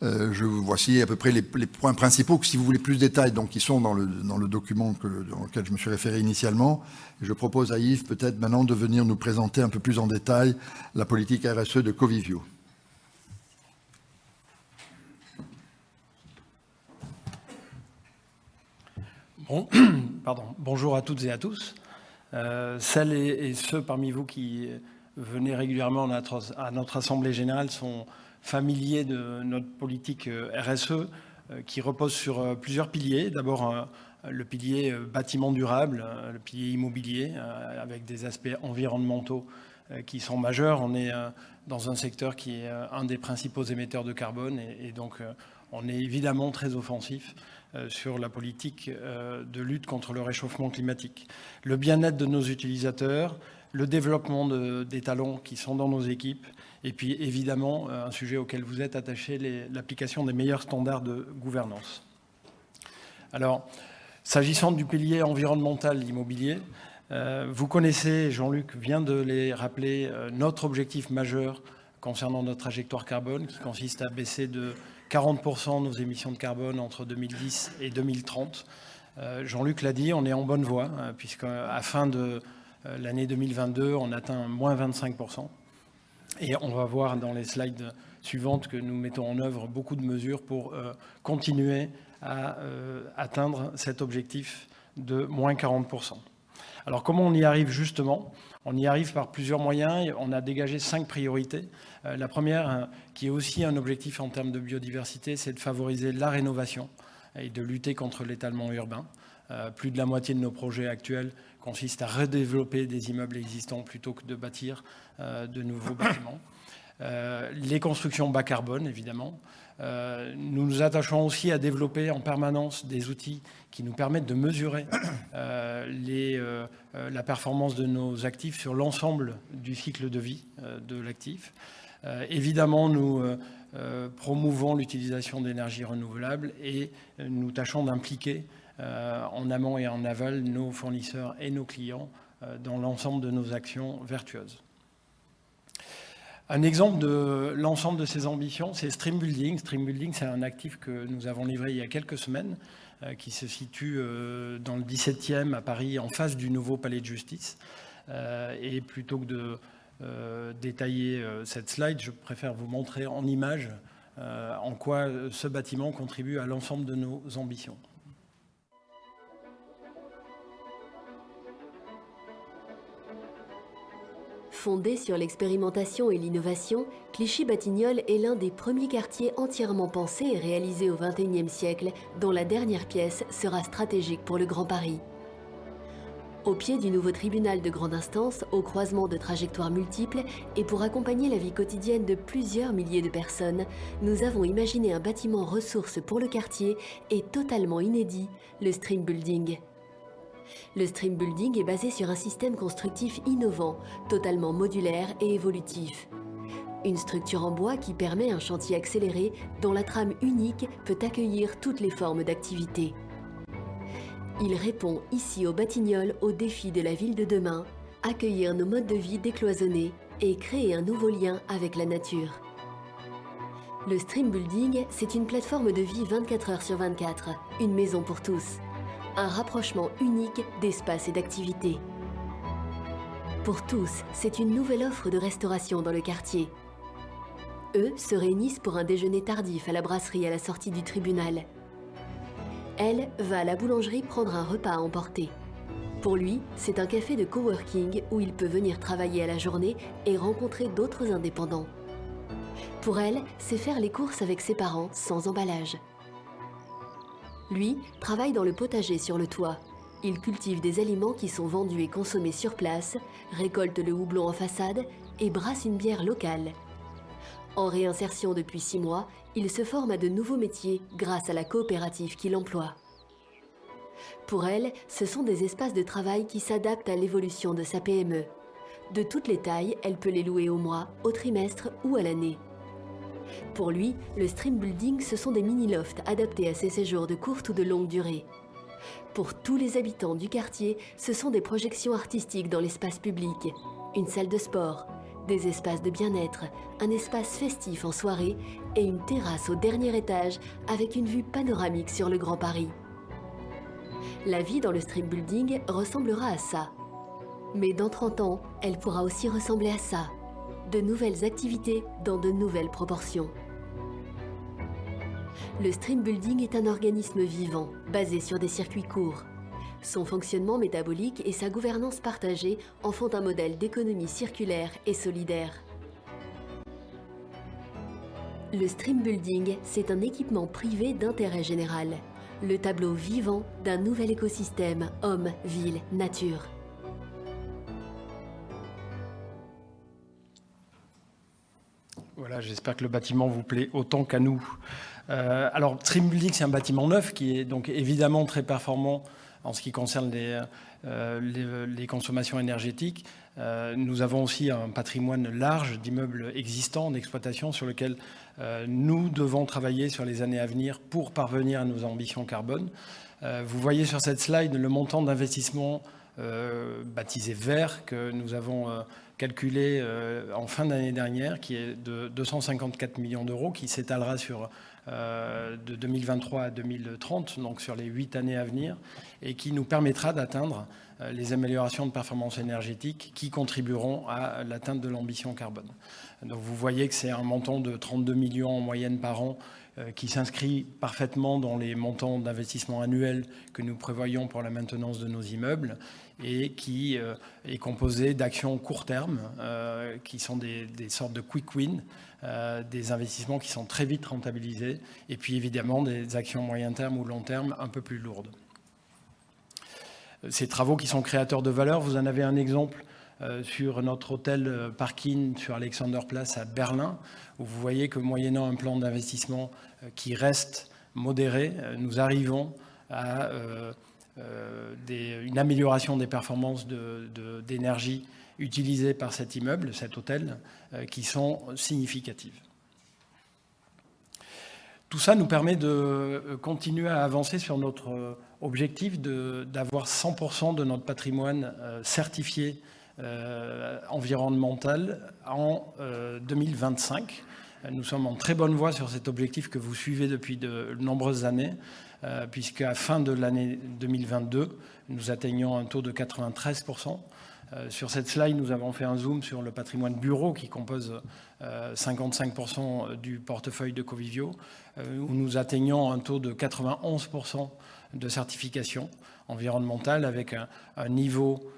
Voici à peu près les points principaux. Si vous voulez plus de détails, donc, qui sont dans le document dans lequel je me suis référé initialement. Je propose à Yves, peut-être maintenant, de venir nous présenter un peu plus en détail la politique RSE de Covivio. Bon. Pardon. Bonjour à toutes et à tous. Celles et ceux parmi vous qui venez régulièrement à notre assemblée générale sont familiers de notre politique RSE qui repose sur plusieurs piliers. D'abord, le pilier bâtiment durable, le pilier immobilier, avec des aspects environnementaux qui sont majeurs. On est dans un secteur qui est un des principaux émetteurs de carbone et donc on est évidemment très offensif sur la politique de lutte contre le réchauffement climatique. Le bien-être de nos utilisateurs, le développement des talents qui sont dans nos équipes et puis évidemment, un sujet auquel vous êtes attachés, l'application des meilleurs standards de gouvernance. S'agissant du pilier environnemental, l'immobilier, vous connaissez, Jean-Luc vient de les rappeler, notre objectif majeur concernant notre trajectoire carbone qui consiste à baisser de 40% nos émissions de carbone entre 2010 et 2030. Jean-Luc l'a dit, on est en bonne voie puisque à fin de l'année 2022, on atteint -25%. On va voir dans les slides suivantes que nous mettons en œuvre beaucoup de mesures pour continuer à atteindre cet objectif de -40%. Comment on y arrive justement? On y arrive par plusieurs moyens. On a dégagé 5 priorités. La première, qui est aussi un objectif en termes de biodiversité, c'est de favoriser la rénovation et de lutter contre l'étalement urbain. Plus de la moitié de nos projets actuels consistent à redévelopper des immeubles existants plutôt que de bâtir de nouveaux bâtiments. Les constructions bas carbone, évidemment. Nous nous attachons aussi à développer en permanence des outils qui nous permettent de mesurer la performance de nos actifs sur l'ensemble du cycle de vie de l'actif. Évidemment, nous promouvons l'utilisation d'énergies renouvelables et nous tâchons d'impliquer en amont et en aval, nos fournisseurs et nos clients dans l'ensemble de nos actions vertueuses. Un exemple de l'ensemble de ces ambitions, c'est Stream Building. Stream Building, c'est un actif que nous avons livré il y a quelques semaines, qui se situe dans le 17th à Paris, en face du nouveau palais de justice. Plutôt que de détailler cette slide, je préfère vous montrer en images en quoi ce bâtiment contribue à l'ensemble de nos ambitions. Fondé sur l'expérimentation et l'innovation, Clichy-Batignolles est l'un des premiers quartiers entièrement pensés et réalisés au 21st siècle, dont la dernière pièce sera stratégique pour le Grand Paris. Au pied du nouveau tribunal de grande instance, au croisement de trajectoires multiples et pour accompagner la vie quotidienne de plusieurs milliers de personnes, nous avons imaginé un bâtiment ressource pour le quartier et totalement inédit, le Stream Building. Le Stream Building est basé sur un système constructif innovant, totalement modulaire et évolutif. Une structure en bois qui permet un chantier accéléré dont la trame unique peut accueillir toutes les formes d'activités. Il répond ici, aux Batignolles, aux défis de la ville de demain: accueillir nos modes de vie décloisonnés et créer un nouveau lien avec la nature. Le Stream Building, c'est une plateforme de vie 24 heures sur 24, une maison pour tous, un rapprochement unique d'espaces et d'activités. Pour tous, c'est une nouvelle offre de restauration dans le quartier. Eux se réunissent pour un déjeuner tardif à la brasserie à la sortie du tribunal. Elle va à la boulangerie prendre un repas à emporter. Pour lui, c'est un café de coworking où il peut venir travailler à la journée et rencontrer d'autres indépendants. Pour elle, c'est faire les courses avec ses parents sans emballage. Lui travaille dans le potager sur le toit. Il cultive des aliments qui sont vendus et consommés sur place, récolte le houblon en façade et brasse une bière locale. En réinsertion depuis six mois, il se forme à de nouveaux métiers grâce à la coopérative qui l'emploie. Pour elle, ce sont des espaces de travail qui s'adaptent à l'évolution de sa PME. De toutes les tailles, elle peut les louer au mois, au trimestre ou à l'année. Pour lui, le Stream Building, ce sont des mini lofts adaptés à ses séjours de courte ou de longue durée. Pour tous les habitants du quartier, ce sont des projections artistiques dans l'espace public, une salle de sport, des espaces de bien-être, un espace festif en soirée et une terrasse au dernier étage avec une vue panoramique sur le Grand Paris. La vie dans le Stream Building ressemblera à ça. Dans 30 ans, elle pourra aussi ressembler à ça. De nouvelles activités dans de nouvelles proportions. Le Stream Building est un organisme vivant basé sur des circuits courts. Son fonctionnement métabolique et sa gouvernance partagée en font un modèle d'économie circulaire et solidaire. Le Stream Building, c'est un équipement privé d'intérêt général. Le tableau vivant d'un nouvel écosystème homme-ville-nature. Voilà, j'espère que le bâtiment vous plaît autant qu'à nous. Stream Building, c'est un bâtiment neuf qui est donc évidemment très performant en ce qui concerne les consommations énergétiques. Nous avons aussi un patrimoine large d'immeubles existants, d'exploitations sur lesquels nous devons travailler sur les années à venir pour parvenir à nos ambitions carbone. Vous voyez sur cette slide le montant d'investissement baptisé vert, que nous avons calculé en fin d'année dernière qui est de 254 million, qui s'étalera sur 2023-2030, donc sur les 8 années à venir et qui nous permettra d'atteindre les améliorations de performance énergétique qui contribueront à l'atteinte de l'ambition carbone. Vous voyez que c'est un montant de 32 million en moyenne par an qui s'inscrit parfaitement dans les montants d'investissement annuels que nous prévoyons pour la maintenance de nos immeubles et qui est composé d'actions court terme qui sont des sortes de quick win, des investissements qui sont très vite rentabilisés et puis évidemment des actions moyen terme ou long terme un peu plus lourdes. Ces travaux qui sont créateurs de valeur, vous en avez un exemple sur notre hôtel parking sur Alexanderplatz à Berlin. Vous voyez que moyennant un plan d'investissement qui reste modéré, nous arrivons à des, une amélioration des performances d'énergie utilisées par cet immeuble, cet hôtel qui sont significatives. Tout ça nous permet de continuer à avancer sur notre objectif de, d'avoir 100% de notre patrimoine certifié environnemental en 2025. Nous sommes en très bonne voie sur cet objectif que vous suivez depuis de nombreuses années, puisqu'à fin de l'année 2022, nous atteignons un taux de 93%. Sur cette slide, nous avons fait un zoom sur le patrimoine bureau qui compose 55% du portefeuille de Covivio, où nous atteignons un taux de 91% de certification environnementale avec un niveau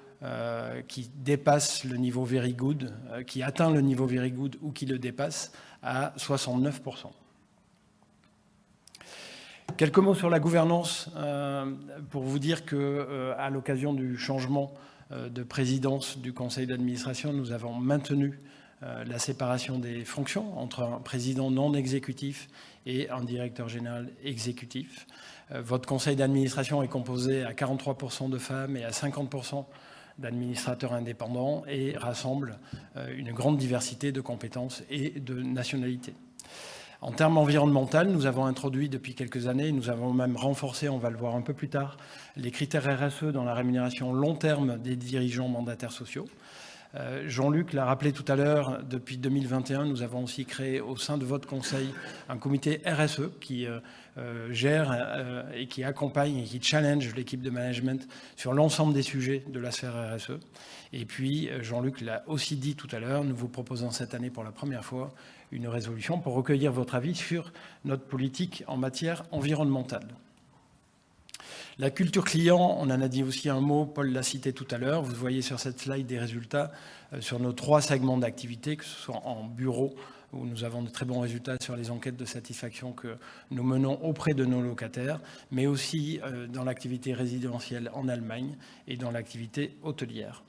qui dépasse le niveau Very Good, qui atteint le niveau Very Good ou qui le dépasse à 69%. Quelques mots sur la gouvernance, pour vous dire que, à l'occasion du changement de présidence du conseil d'administration, nous avons maintenu la séparation des fonctions entre un président non exécutif et un directeur général exécutif. Votre conseil d'administration est composé à 43% de femmes et à 50% d'administrateurs indépendants et rassemble une grande diversité de compétences et de nationalités. En termes environnementaux, nous avons introduit depuis quelques années, nous avons même renforcé, on va le voir un peu plus tard, les critères RSE dans la rémunération long terme des dirigeants mandataires sociaux. Jean-Luc l'a rappelé tout à l'heure, depuis 2021, nous avons aussi créé au sein de votre conseil un comité RSE qui gère et qui accompagne et qui challenge l'équipe de management sur l'ensemble des sujets de la sphère RSE. Jean-Luc l'a aussi dit tout à l'heure, nous vous proposons cette année pour la première fois une résolution pour recueillir votre avis sur notre politique en matière environnementale. La culture client, on en a dit aussi un mot, Paul l'a cité tout à l'heure. Vous voyez sur cette slide des résultats sur nos trois segments d'activité, que ce soit en bureau où nous avons de très bons résultats sur les enquêtes de satisfaction que nous menons auprès de nos locataires, mais aussi dans l'activité résidentielle en Allemagne et dans l'activité hôtelière.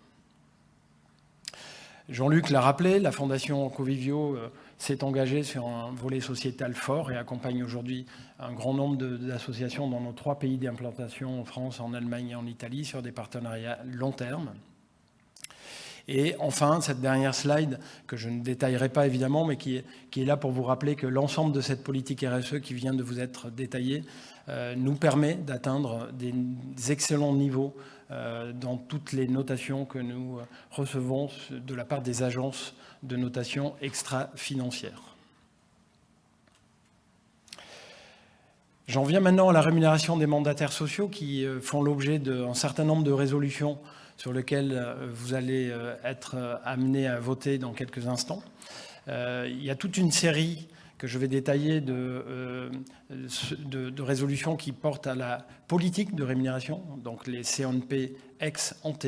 Jean-Luc l'a rappelé, la Fondation Covivio s'est engagée sur un volet sociétal fort et accompagne aujourd'hui un grand nombre d'associations dans nos trois pays d'implantation en France, en Allemagne et en Italie sur des partenariats long terme. Enfin, cette dernière slide, que je ne détaillerai pas évidemment, mais qui est là pour vous rappeler que l'ensemble de cette politique RSE qui vient de vous être détaillée, nous permet d'atteindre des excellents niveaux dans toutes les notations que nous recevons de la part des agences de notation extrafinancière. J'en viens maintenant à la rémunération des mandataires sociaux qui font l'objet d'un certain nombre de résolutions sur lesquelles vous allez être amenés à voter dans quelques instants. Il y a toute une série que je vais détailler de résolutions qui portent à la politique de rémunération, donc les Say on Pay ex ante.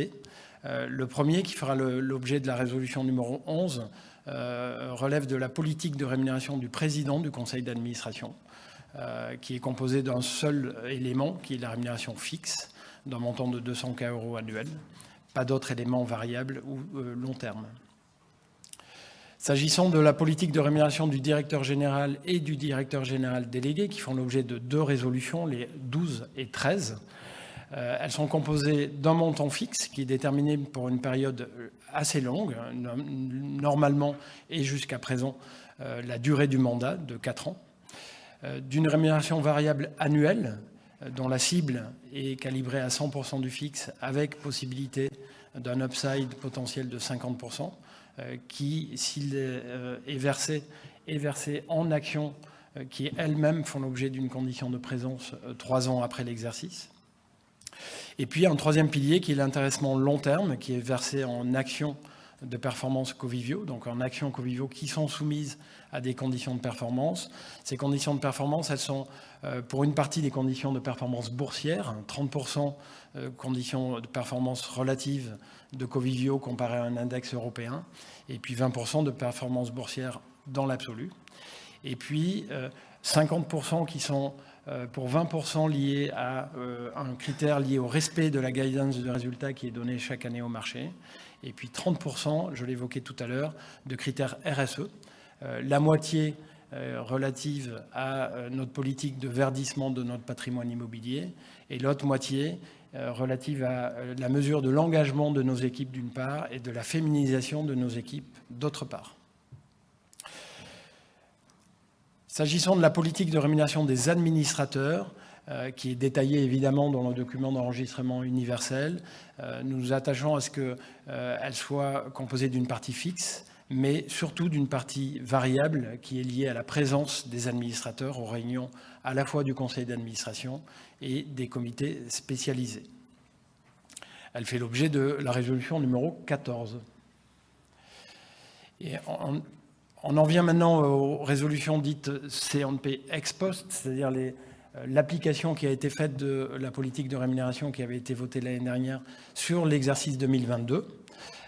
le premier, qui fera l'objet de la résolution number 11, relève de la politique de rémunération du président du conseil d'administration, qui est composé d'un seul élément qui est la rémunération fixe d'un montant de 200 thousand euros annuels. Pas d'autres éléments variables ou long-term. S'agissant de la politique de rémunération du directeur général et du directeur général délégué, qui font l'objet de two resolutions, les 12 et 13, elles sont composées d'un montant fixe qui est déterminé pour une période assez longue, normalement et jusqu'à présent, la durée du mandat de 4 years, d'une rémunération variable annuelle dont la cible est calibrée à 100% du fixe avec possibilité d'un upside potential de 50%, qui, s'il est versé, est versé en actions qui elles-mêmes font l'objet d'une condition de présence 3 years après l'exercice. Un troisième pilier qui est l'intéressement long terme qui est versé en actions de performance Covivio, donc en actions Covivio qui sont soumises à des conditions de performance. Ces conditions de performance, elles sont pour une partie des conditions de performance boursière, 30% conditions de performance relative de Covivio comparé à un index européen 20% de performance boursière dans l'absolu. 50% qui sont pour 20% liés à un critère lié au respect de la guidance de résultat qui est donné chaque année au marché. 30%, je l'évoquais tout à l'heure, de critères RSE, la moitié relative à notre politique de verdissement de notre patrimoine immobilier et l'autre moitié relative à la mesure de l'engagement de nos équipes d'une part et de la féminisation de nos équipes d'autre part. S'agissant de la politique de rémunération des administrateurs, qui est détaillée évidemment dans le document d'enregistrement universel, nous nous attachons à ce qu'elle soit composée d'une partie fixe, mais surtout d'une partie variable qui est liée à la présence des administrateurs aux réunions à la fois du conseil d'administration et des comités spécialisés. Elle fait l'objet de la résolution numéro 14. On en vient maintenant aux résolutions dites Say on Pay ex post, c'est-à-dire l'application qui a été faite de la politique de rémunération qui avait été votée l'année dernière sur l'exercice 2022,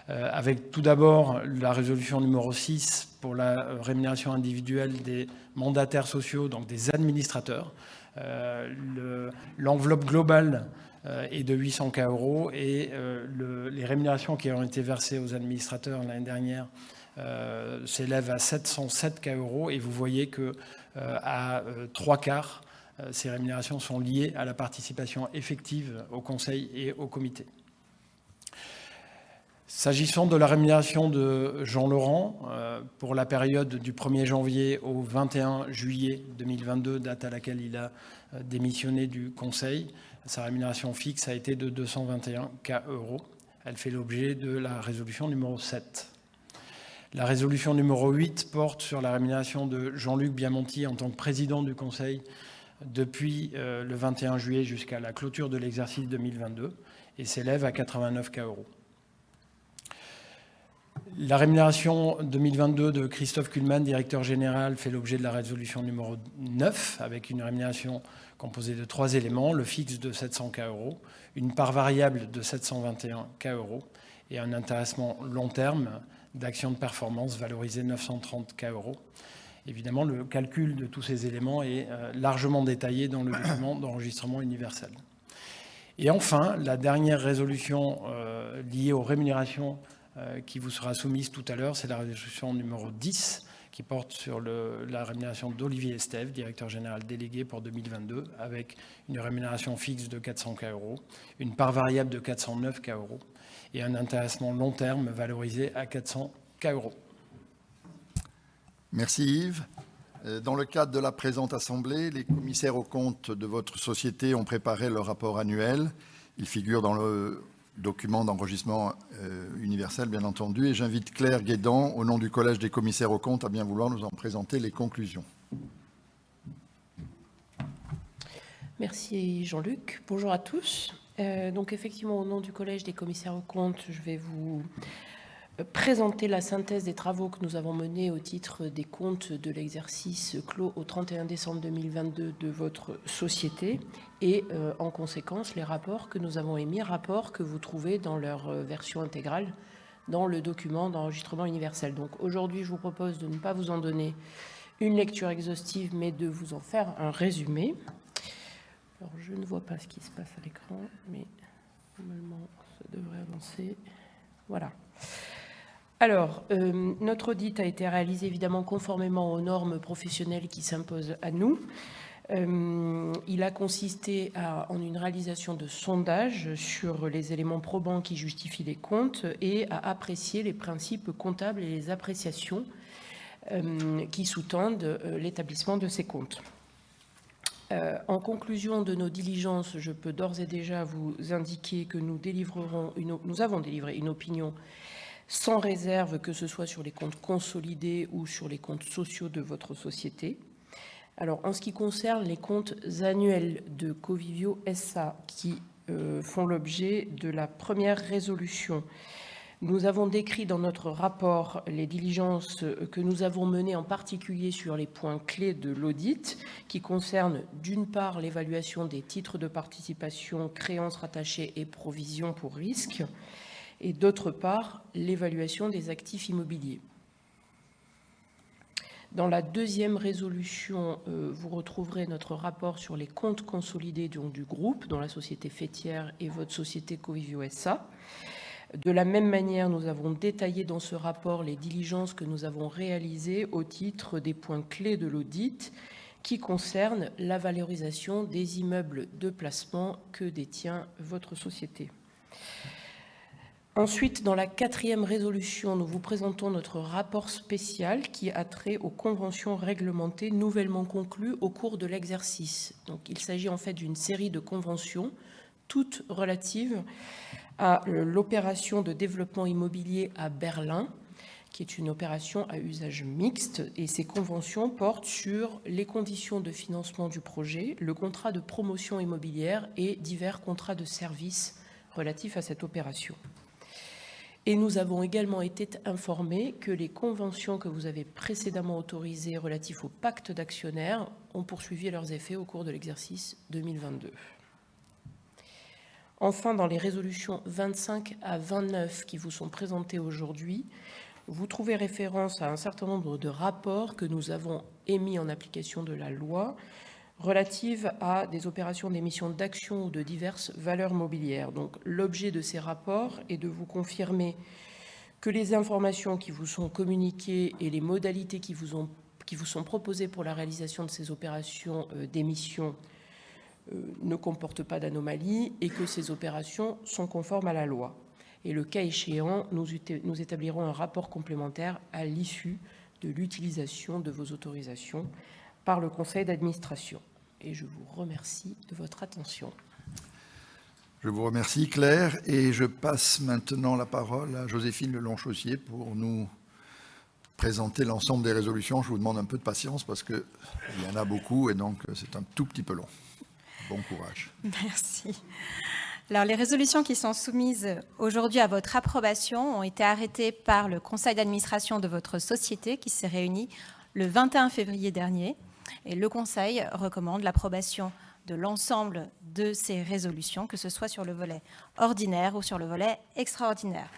avec tout d'abord la résolution numéro 6 pour la rémunération individuelle des mandataires sociaux, donc des administrateurs. L'enveloppe globale est de 800K euros et les rémunérations qui ont été versées aux administrateurs l'année dernière s'élèvent à 707K euros. Vous voyez qu'à three quarters, ces rémunérations sont liées à la participation effective au conseil et au comité. S'agissant de la rémunération de Jean Laurent pour la période du January 1 au July 21, 2022, date à laquelle il a démissionné du conseil, sa rémunération fixe a été de 221k euros. Elle fait l'objet de la résolution number 7. La résolution number 8 porte sur la rémunération de Jean-Luc Biamonti en tant que président du conseil depuis le July 21 jusqu'à la clôture de l'exercice 2022 et s'élève à 89k euros. La rémunération 2022 de Christophe Kullmann, Directeur Général, fait l'objet de la résolution numéro 9 avec une rémunération composée de trois éléments, le fixe de 700K euros, une part variable de 721K euros et un intéressement long terme d'actions de performance valorisées 930K euros. Évidemment, le calcul de tous ces éléments est largement détaillé dans le document d'enregistrement universel. Enfin, la dernière résolution liée aux rémunérations qui vous sera soumise tout à l'heure, c'est la résolution numéro 10 qui porte sur la rémunération d'Olivier Estève, Directeur Général Délégué pour 2022, avec une rémunération fixe de 400K euros, une part variable de 409K euros et un intéressement long terme valorisé à 400K euros. Merci Yves. Dans le cadre de la présente assemblée, les commissaires aux comptes de votre société ont préparé le rapport annuel. Il figure dans le document d'enregistrement universel, bien entendu, et j'invite Claire Guédan, au nom du Collège des commissaires aux comptes, à bien vouloir nous en présenter les conclusions. Merci Jean-Luc. Bonjour à tous. Effectivement, au nom du Collège des commissaires aux comptes, je vais vous présenter la synthèse des travaux que nous avons menés au titre des comptes de l'exercice clos au 31 décembre 2022 de votre société et en conséquence les rapports que nous avons émis, rapports que vous trouvez dans leur version intégrale dans le document d'enregistrement universel. Aujourd'hui, je vous propose de ne pas vous en donner une lecture exhaustive, mais de vous en faire un résumé. Je ne vois pas ce qui se passe à l'écran, mais normalement, ça devrait avancer. Voilà. Notre audit a été réalisé évidemment conformément aux normes professionnelles qui s'imposent à nous. Il a consisté en une réalisation de sondages sur les éléments probants qui justifient les comptes et à apprécier les principes comptables et les appréciations qui sous-tendent l'établissement de ces comptes. En conclusion de nos diligences, je peux d'ores et déjà vous indiquer que nous avons délivré une opinion sans réserve, que ce soit sur les comptes consolidés ou sur les comptes sociaux de votre société. En ce qui concerne les comptes annuels de Covivio S.A. qui font l'objet de la first résolution, nous avons décrit dans notre rapport les diligences que nous avons menées, en particulier sur les points clés de l'audit qui concernent, d'une part, l'évaluation des titres de participation, créances rattachées et provisions pour risques, et d'autre part, l'évaluation des actifs immobiliers. Dans la second résolution, vous retrouverez notre rapport sur les comptes consolidés du groupe, dont la société faîtière et votre société Covivio SA. Nous avons détaillé dans ce rapport les diligences que nous avons réalisées au titre des points clés de l'audit qui concernent la valorisation des immeubles de placement que détient votre société. Dans la fourth résolution, nous vous présentons notre rapport spécial qui a trait aux conventions réglementées nouvellement conclues au cours de l'exercice. Il s'agit en fait d'une série de conventions, toutes relatives à l'opération de développement immobilier à Berlin, qui est une opération à usage mixte et ces conventions portent sur les conditions de financement du projet, le contrat de promotion immobilière et divers contrats de services relatifs à cette opération. Nous avons également été informés que les conventions que vous avez précédemment autorisées relatives au pacte d'actionnaires ont poursuivi leurs effets au cours de l'exercice 2022. Dans les résolutions 25-29 qui vous sont présentées aujourd'hui, vous trouvez référence à un certain nombre de rapports que nous avons émis en application de la loi relative à des opérations d'émission d'actions ou de diverses valeurs mobilières. L'objet de ces rapports est de vous confirmer que les informations qui vous sont communiquées et les modalités qui vous sont proposées pour la réalisation de ces opérations d'émission ne comportent pas d'anomalies et que ces opérations sont conformes à la loi. Le cas échéant, nous établirons un rapport complémentaire à l'issue de l'utilisation de vos autorisations par le conseil d'administration. Je vous remercie de votre attention. Je vous remercie Claire et je passe maintenant la parole à Joséphine Lelong-Chaussier pour nous présenter l'ensemble des résolutions. Je vous demande un peu de patience parce qu'il y en a beaucoup et donc c'est un tout petit peu long. Bon courage. Merci. Les résolutions qui sont soumises aujourd'hui à votre approbation ont été arrêtées par le conseil d'administration de votre société qui s'est réuni le 21 février dernier et le conseil recommande l'approbation de l'ensemble de ces résolutions, que ce soit sur le volet ordinaire ou sur le volet extraordinaire.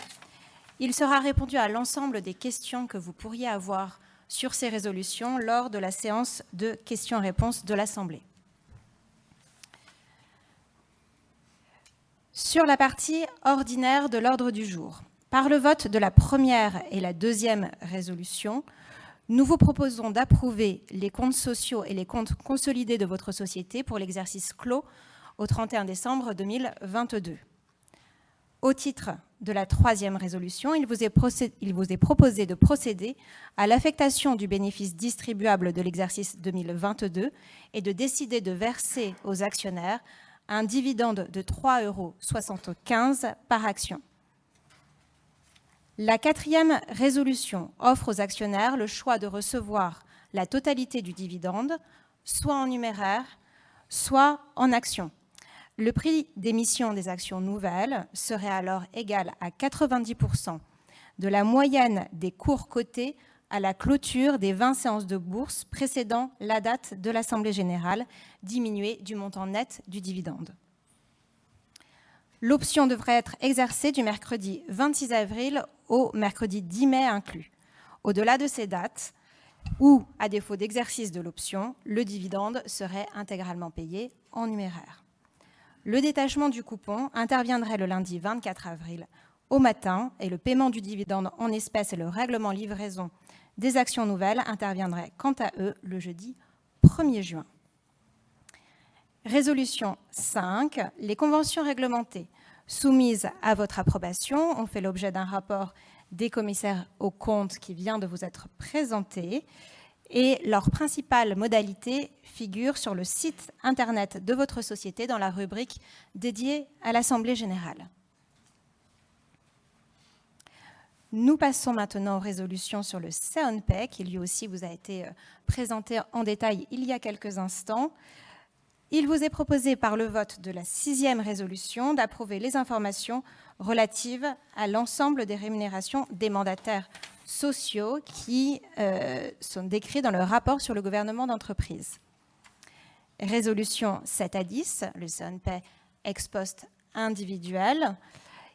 Il sera répondu à l'ensemble des questions que vous pourriez avoir sur ces résolutions lors de la séance de questions-réponses de l'Assemblée. Sur la partie ordinaire de l'ordre du jour, par le vote de la première et la deuxième résolution, nous vous proposons d'approuver les comptes sociaux et les comptes consolidés de votre société pour l'exercice clos au 31 décembre 2022. Au titre de la 3rd résolution, il vous est proposé de procéder à l'affectation du bénéfice distribuable de l'exercice 2022 et de décider de verser aux actionnaires un dividende de 3.75 euros par action. La 4th résolution offre aux actionnaires le choix de recevoir la totalité du dividende soit en numéraire, soit en actions. Le prix d'émission des actions nouvelles serait alors égal à 90% de la moyenne des cours cotés à la clôture des 20 séances de bourse précédant la date de l'assemblée générale diminuée du montant net du dividende. L'option devrait être exercée du mercredi 26 April au mercredi 10 May inclus. Au-delà de ces dates ou à défaut d'exercice de l'option, le dividende serait intégralement payé en numéraire. Le détachement du coupon interviendrait le Monday, April 24 au matin et le paiement du dividende en espèces et le règlement livraison des actions nouvelles interviendraient quant à eux le Thursday, June 1. Résolution 5: les conventions réglementées soumises à votre approbation ont fait l'objet d'un rapport des commissaires aux comptes qui vient de vous être présenté et leurs principales modalités figurent sur le site Internet de votre société, dans la rubrique dédiée à l'assemblée générale. Nous passons maintenant aux résolutions sur le Say on Pay qui, lui aussi, vous a été présenté en détail il y a quelques instants. Il vous est proposé, par le vote de la 6th résolution, d'approuver les informations relatives à l'ensemble des rémunérations des mandataires sociaux qui sont décrites dans le rapport sur le gouvernement d'entreprise. Résolutions 7-10, le Say on Pay ex post individuel.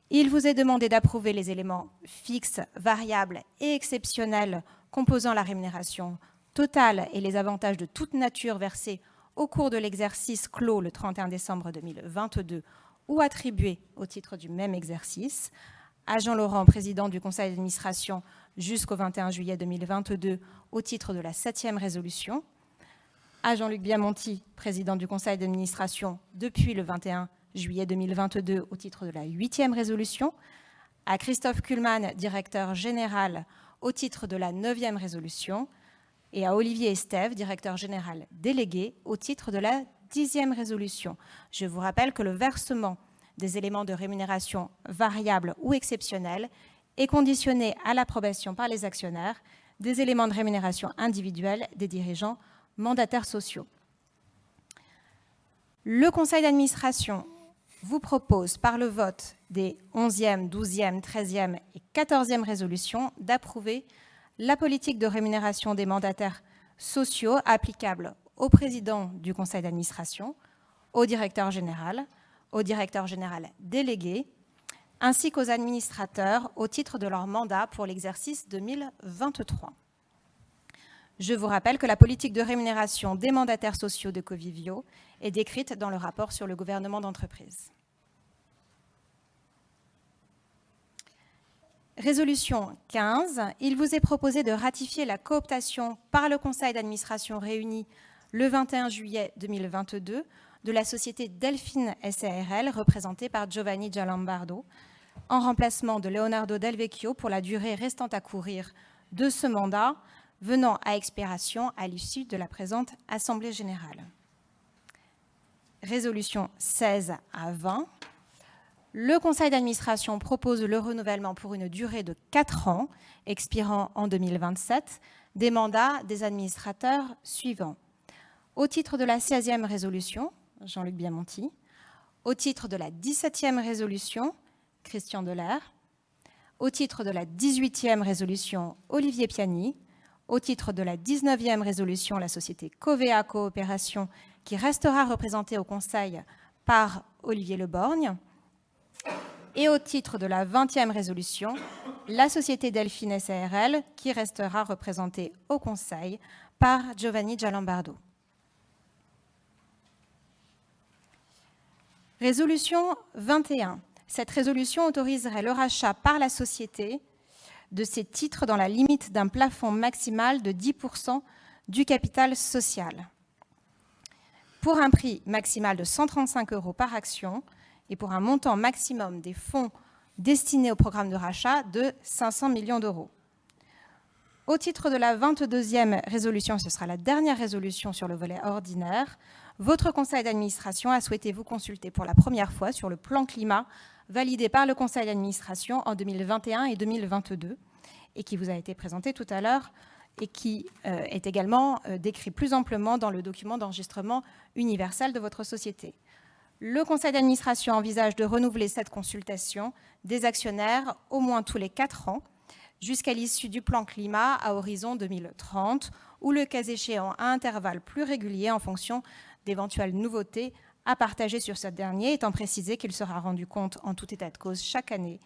Il vous est demandé d'approuver les éléments fixes, variables et exceptionnels composant la rémunération totale et les avantages de toute nature versés au cours de l'exercice clos le 31 décembre 2022 ou attribués au titre du même exercice. À Jean Laurent, Président du Conseil d'Administration jusqu'au 21 juillet 2022, au titre de la septième résolution. À Jean-Luc Biamonti, Président du Conseil d'Administration depuis le 21 juillet 2022, au titre de la huitième résolution. À Christophe Kullmann, Directeur Général, au titre de la neuvième résolution. Et à Olivier Estève, Directeur Général Délégué, au titre de la dixième résolution. Je vous rappelle que le versement des éléments de rémunération variables ou exceptionnels est conditionné à l'approbation par les actionnaires des éléments de rémunération individuels des dirigeants mandataires sociaux. Le conseil d'administration vous propose, par le vote des 11th, 12th, 13th et 14th résolutions, d'approuver la politique de rémunération des mandataires sociaux applicable au président du conseil d'administration, au directeur général, au directeur général délégué ainsi qu'aux administrateurs au titre de leur mandat pour l'exercice 2023. Je vous rappelle que la politique de rémunération des mandataires sociaux de Covivio est décrite dans le rapport sur le gouvernement d'entreprise. Résolution 15: il vous est proposé de ratifier la cooptation par le conseil d'administration réuni le 21 juillet 2022 de la société Delfin S.à.r.l., représentée par Giovanni Giallombardo, en remplacement de Leonardo Del Vecchio pour la durée restant à courir de ce mandat, venant à expiration à l'issue de la présente assemblée générale. Résolutions 16 à 20 : le conseil d'administration propose le renouvellement pour une durée de 4 ans expirant en 2027 des mandats des administrateurs suivants. Au titre de la 16th résolution, Jean-Luc Biamonti. Au titre de la 17th résolution, Christian Delaire. Au titre de la 18th résolution, Olivier Piani. Au titre de la 19th résolution, la société Covéa Coopérations, qui restera représentée au conseil par Olivier Leborgne. Au titre de la 20th résolution, la société Delfin S.à.r.l., qui restera représentée au conseil par Giovanni Giallombardo. Résolution 21. Cette résolution autoriserait le rachat par la société de ces titres dans la limite d'un plafond maximal de 10% du capital social, pour un prix maximal de 135 euros par action et pour un montant maximum des fonds destinés au programme de rachat de 500 million. Au titre de la 22nd résolution, ce sera la dernière résolution sur le volet ordinaire, votre conseil d'administration a souhaité vous consulter pour la première fois sur le plan climat validé par le conseil d'administration en 2021 et 2022 et qui vous a été présenté tout à l'heure et qui est également décrit plus amplement dans le document d'enregistrement universel de votre société. Le conseil d'administration envisage de renouveler cette consultation des actionnaires au moins tous les 4 ans jusqu'à l'issue du plan climat à horizon 2030 ou le cas échéant, à intervalles plus réguliers, en fonction d'éventuelles nouveautés à partager sur ce dernier, étant précisé qu'il sera rendu compte, en tout état de cause chaque année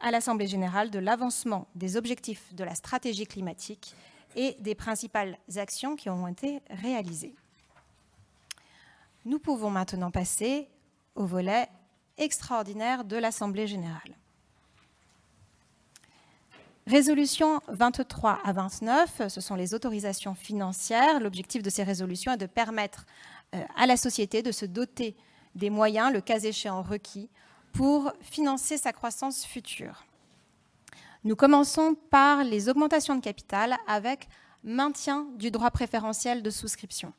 à l'Assemblée générale de l'avancement des objectifs de la stratégie climatique et des principales actions qui en ont été réalisées. Nous pouvons maintenant passer au volet extraordinaire de l'Assemblée générale. Résolutions 23 à 29, ce sont les autorisations financières. L'objectif de ces résolutions est de permettre à la société de se doter des moyens, le cas échéant requis, pour financer sa croissance future. Nous commençons par les augmentations de capital avec maintien du droit préférentiel de souscription.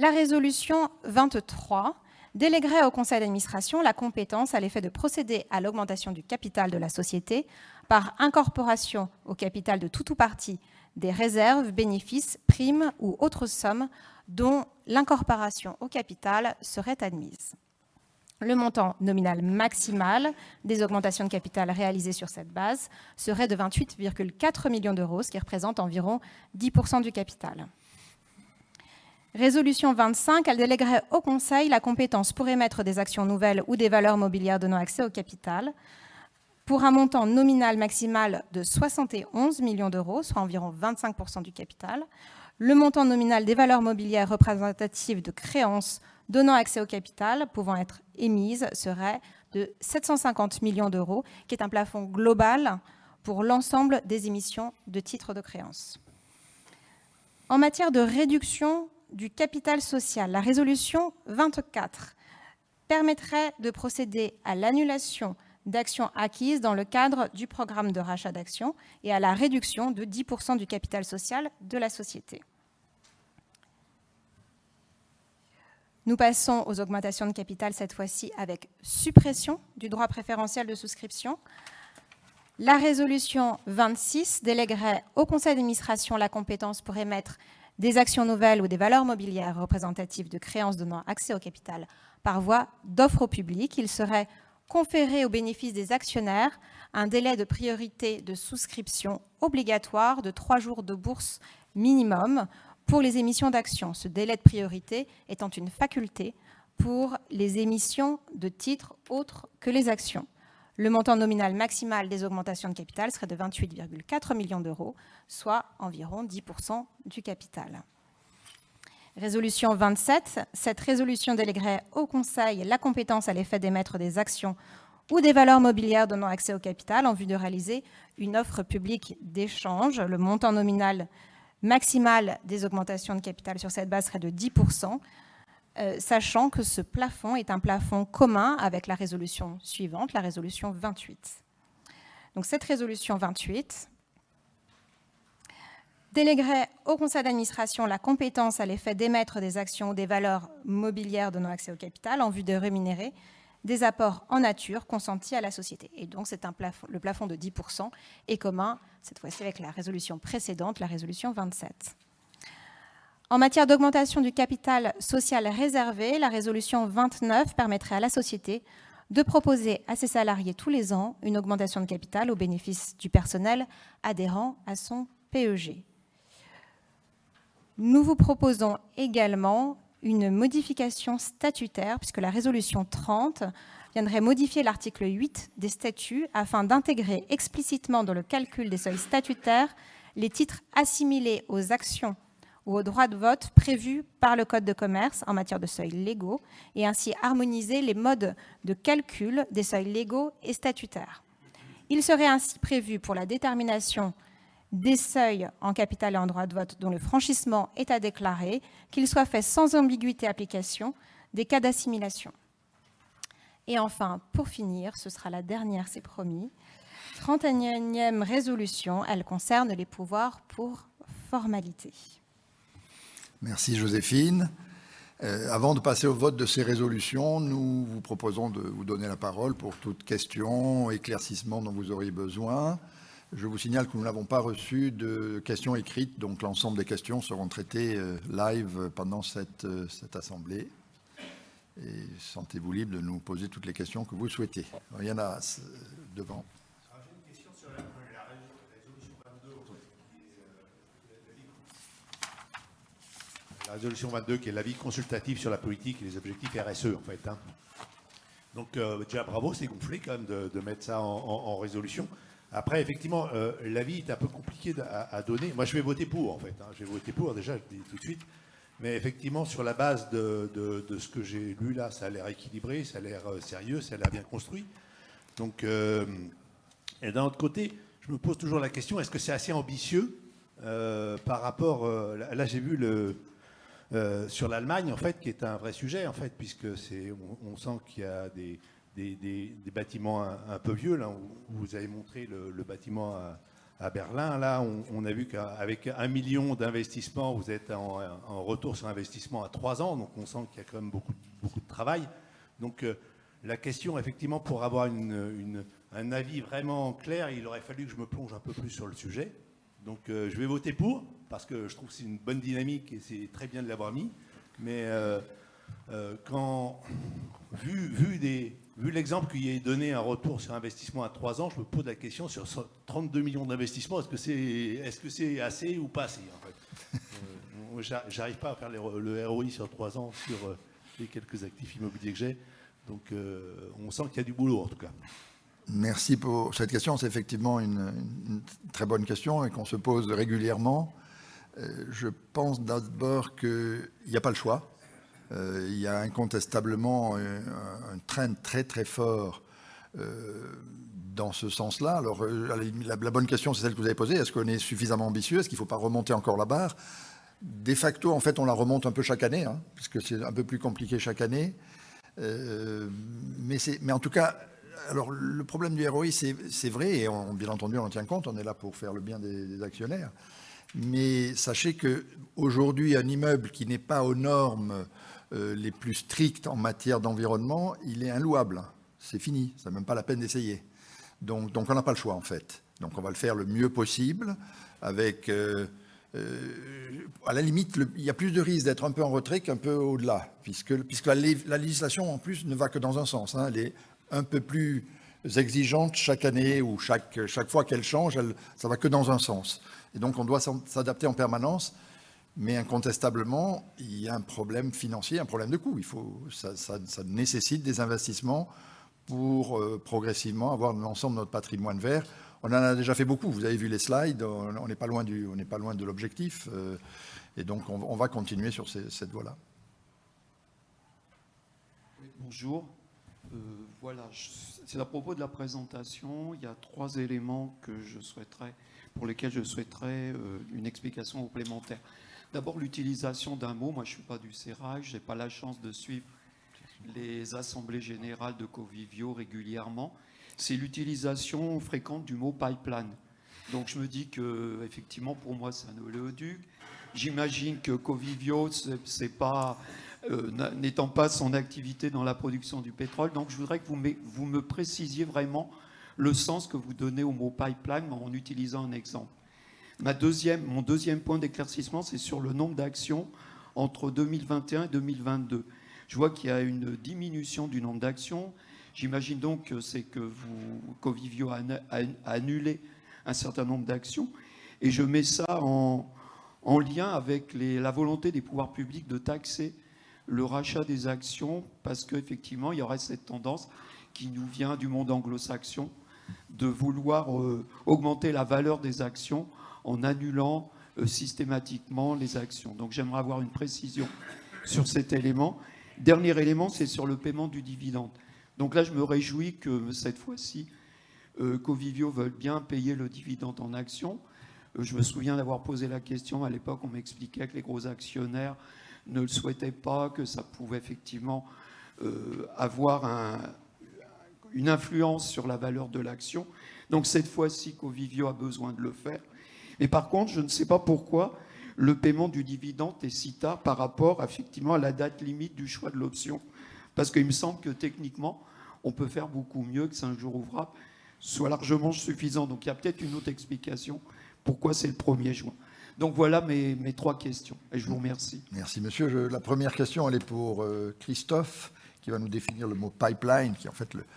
La résolution 23 déléguerait au conseil d'administration la compétence à l'effet de procéder à l'augmentation du capital de la société par incorporation au capital de tout ou partie des réserves, bénéfices, primes ou autres sommes dont l'incorporation au capital serait admise. Le montant nominal maximal des augmentations de capital réalisées sur cette base serait de 28.4 million, ce qui représente environ 10% du capital. Résolution 25, elle déléguerait au conseil la compétence pour émettre des actions nouvelles ou des valeurs mobilières donnant accès au capital pour un montant nominal maximal de 71 million, soit environ 25% du capital. Le montant nominal des valeurs mobilières représentatives de créances donnant accès au capital pouvant être émises serait de 750 million, qui est un plafond global pour l'ensemble des émissions de titres de créances. Matière de réduction du capital social, la résolution 24 permettrait de procéder à l'annulation d'actions acquises dans le cadre du programme de rachat d'actions et à la réduction de 10% du capital social de la société. Nous passons aux augmentations de capital, cette fois-ci avec suppression du droit préférentiel de souscription. La résolution 26 déléguerait au conseil d'administration la compétence pour émettre des actions nouvelles ou des valeurs mobilières représentatives de créances donnant accès au capital par voie d'offre au public. Il serait conféré au bénéfice des actionnaires un délai de priorité de souscription obligatoire de 3 jours de bourse minimum pour les émissions d'actions, ce délai de priorité étant une faculté pour les émissions de titres autres que les actions. Le montant nominal maximal des augmentations de capital serait de 28.4 million, soit environ 10% du capital. Résolution 27. Cette résolution déléguerait au conseil la compétence à l'effet d'émettre des actions ou des valeurs mobilières donnant accès au capital en vue de réaliser une offre publique d'échange. Le montant nominal maximal des augmentations de capital sur cette base serait de 10%, sachant que ce plafond est un plafond commun avec la résolution suivante, la résolution 28. Cette résolution 28 déléguerait au conseil d'administration la compétence à l'effet d'émettre des actions ou des valeurs mobilières donnant accès au capital en vue de rémunérer des apports en nature consentis à la société. Le plafond de 10% est commun, cette fois-ci, avec la résolution précédente, la résolution 27. En matière d'augmentation du capital social réservé, la résolution 29 permettrait à la société de proposer à ses salariés tous les ans une augmentation de capital au bénéfice du personnel adhérant à son PEG. Nous vous proposons également une modification statutaire puisque la résolution 30 viendrait modifier l'article 8 des statuts afin d'intégrer explicitement dans le calcul des seuils statutaires les titres assimilés aux actions ou aux droits de vote prévus par le code de commerce en matière de seuils légaux et ainsi harmoniser les modes de calcul des seuils légaux et statutaires. Il serait ainsi prévu pour la détermination des seuils en capital et en droit de vote dont le franchissement est à déclarer qu'il soit fait sans ambiguïté application des cas d'assimilation. Enfin pour finir, ce sera la dernière, c'est promis, 31st résolution, elle concerne les pouvoirs pour formalités. Merci Joséphine. Avant de passer au vote de ces résolutions, nous vous proposons de vous donner la parole pour toute question, éclaircissement dont vous auriez besoin. Je vous signale que nous n'avons pas reçu de questions écrites, donc l'ensemble des questions seront traitées, live pendant cette assemblée. Sentez-vous libre de nous poser toutes les questions que vous souhaitez. Il y en a devant. J'ai une question sur la résolution 22 la résolution 22 qui est l'avis consultatif sur la politique et les objectifs RSE en fait. Déjà bravo, c'est gonflé quand même de mettre ça en résolution. Après, effectivement, l'avis est un peu compliqué à donner. Moi, je vais voter pour en fait, je vais voter pour déjà, je le dis tout de suite. Effectivement, sur la base de ce que j'ai lu là, ça a l'air équilibré, ça a l'air sérieux, ça a l'air bien construit. Et d'un autre côté, je me pose toujours la question: est-ce que c'est assez ambitieux, par rapport Là, là j'ai vu sur l'Allemagne en fait, qui est un vrai sujet en fait, puisque on sent qu'il y a des bâtiments un peu vieux. Là, où vous avez montré le bâtiment à Berlin. Là, on a vu avec 1 million d'investissements, vous êtes en retour sur investissement à 3 ans. On sent qu'il y a quand même beaucoup de travail. La question, effectivement, pour avoir un avis vraiment clair, il aurait fallu que je me plonge un peu plus sur le sujet. Je vais voter pour parce que je trouve que c'est une bonne dynamique et c'est très bien de l'avoir mis. Vu l'exemple qu'il est donné un retour sur investissement à 3 ans, je me pose la question sur 32 million d'investissements, est-ce que c'est assez ou pas assez en fait? J'arrive pas à faire le ROI sur 3 ans sur les quelques actifs immobiliers que j'ai. On sent qu'il y a du boulot en tout cas. Merci pour cette question. C'est effectivement une très bonne question et qu'on se pose régulièrement. Je pense, Dasbord, que y a pas le choix. Il y a incontestablement un trend très très fort dans ce sens-là. Alors, la bonne question, c'est celle que vous avez posée: Est-ce qu'on est suffisamment ambitieux? Est-ce qu'il ne faut pas remonter encore la barre? De facto, en fait, on la remonte un peu chaque année hein, puisque c'est un peu plus compliqué chaque année. Mais en tout cas, alors le problème du ROI, c'est vrai et bien entendu, on en tient compte, on est là pour faire le bien des actionnaires. Sachez qu'aujourd'hui, un immeuble qui n'est pas aux normes les plus strictes en matière d'environnement, il est inlouable. C'est fini. C'est même pas la peine d'essayer. On n'a pas le choix, en fait. On va le faire le mieux possible avec. À la limite, il y a plus de risques d'être un peu en retrait qu'un peu au-delà, puisque la législation, en plus, ne va que dans un sens hein. Elle est un peu plus exigeante chaque année ou chaque fois qu'elle change, ça va que dans un sens. On doit s'adapter en permanence. Mais incontestablement, il y a un problème financier, un problème de coût. Ça nécessite des investissements pour progressivement avoir l'ensemble de notre patrimoine vert. On en a déjà fait beaucoup. Vous avez vu les slides, on n'est pas loin de l'objectif. On va continuer sur ce, cette voie-là. Bonjour. Voilà, c'est à propos de la présentation. Il y a 3 éléments pour lesquels je souhaiterais une explication complémentaire. D'abord, l'utilisation d'un mot. Moi, je suis pas du sérail, j'ai pas la chance de suivre les assemblées générales de Covivio régulièrement. C'est l'utilisation fréquente du mot pipeline. Je me dis qu'effectivement, pour moi, c'est un oléoduc. J'imagine que Covivio, c'est pas n'étant pas son activité dans la production du pétrole. Je voudrais que vous me précisiez vraiment le sens que vous donnez au mot pipeline en utilisant un exemple. Mon deuxième point d'éclaircissement, c'est sur le nombre d'actions entre 2021 et 2022. Je vois qu'il y a une diminution du nombre d'actions. J'imagine donc que c'est que vous, Covivio, a annulé un certain nombre d'actions. Je mets ça en lien avec la volonté des pouvoirs publics de taxer le rachat des actions parce qu'effectivement, il y aurait cette tendance qui nous vient du monde anglo-saxon de vouloir augmenter la valeur des actions en annulant systématiquement les actions. J'aimerais avoir une précision sur cet élément. Dernier élément, c'est sur le paiement du dividende. Là, je me réjouis que cette fois-ci, Covivio veuille bien payer le dividende en actions. Je me souviens d'avoir posé la question à l'époque, on m'expliquait que les gros actionnaires ne le souhaitaient pas, que ça pouvait effectivement, avoir une influence sur la valeur de l'action. Cette fois-ci, Covivio a besoin de le faire. Par contre, je ne sais pas pourquoi le paiement du dividende est si tard par rapport effectivement à la date limite du choix de l'option. Il me semble que techniquement, on peut faire beaucoup mieux, que cinq jours ouvrables soit largement suffisant. Il y a peut-être une autre explication pourquoi c'est le premier juin. Voilà mes trois questions et je vous remercie. Merci monsieur. La première question, elle est pour Christophe, qui va nous définir le mot pipeline, qui en fait. Processus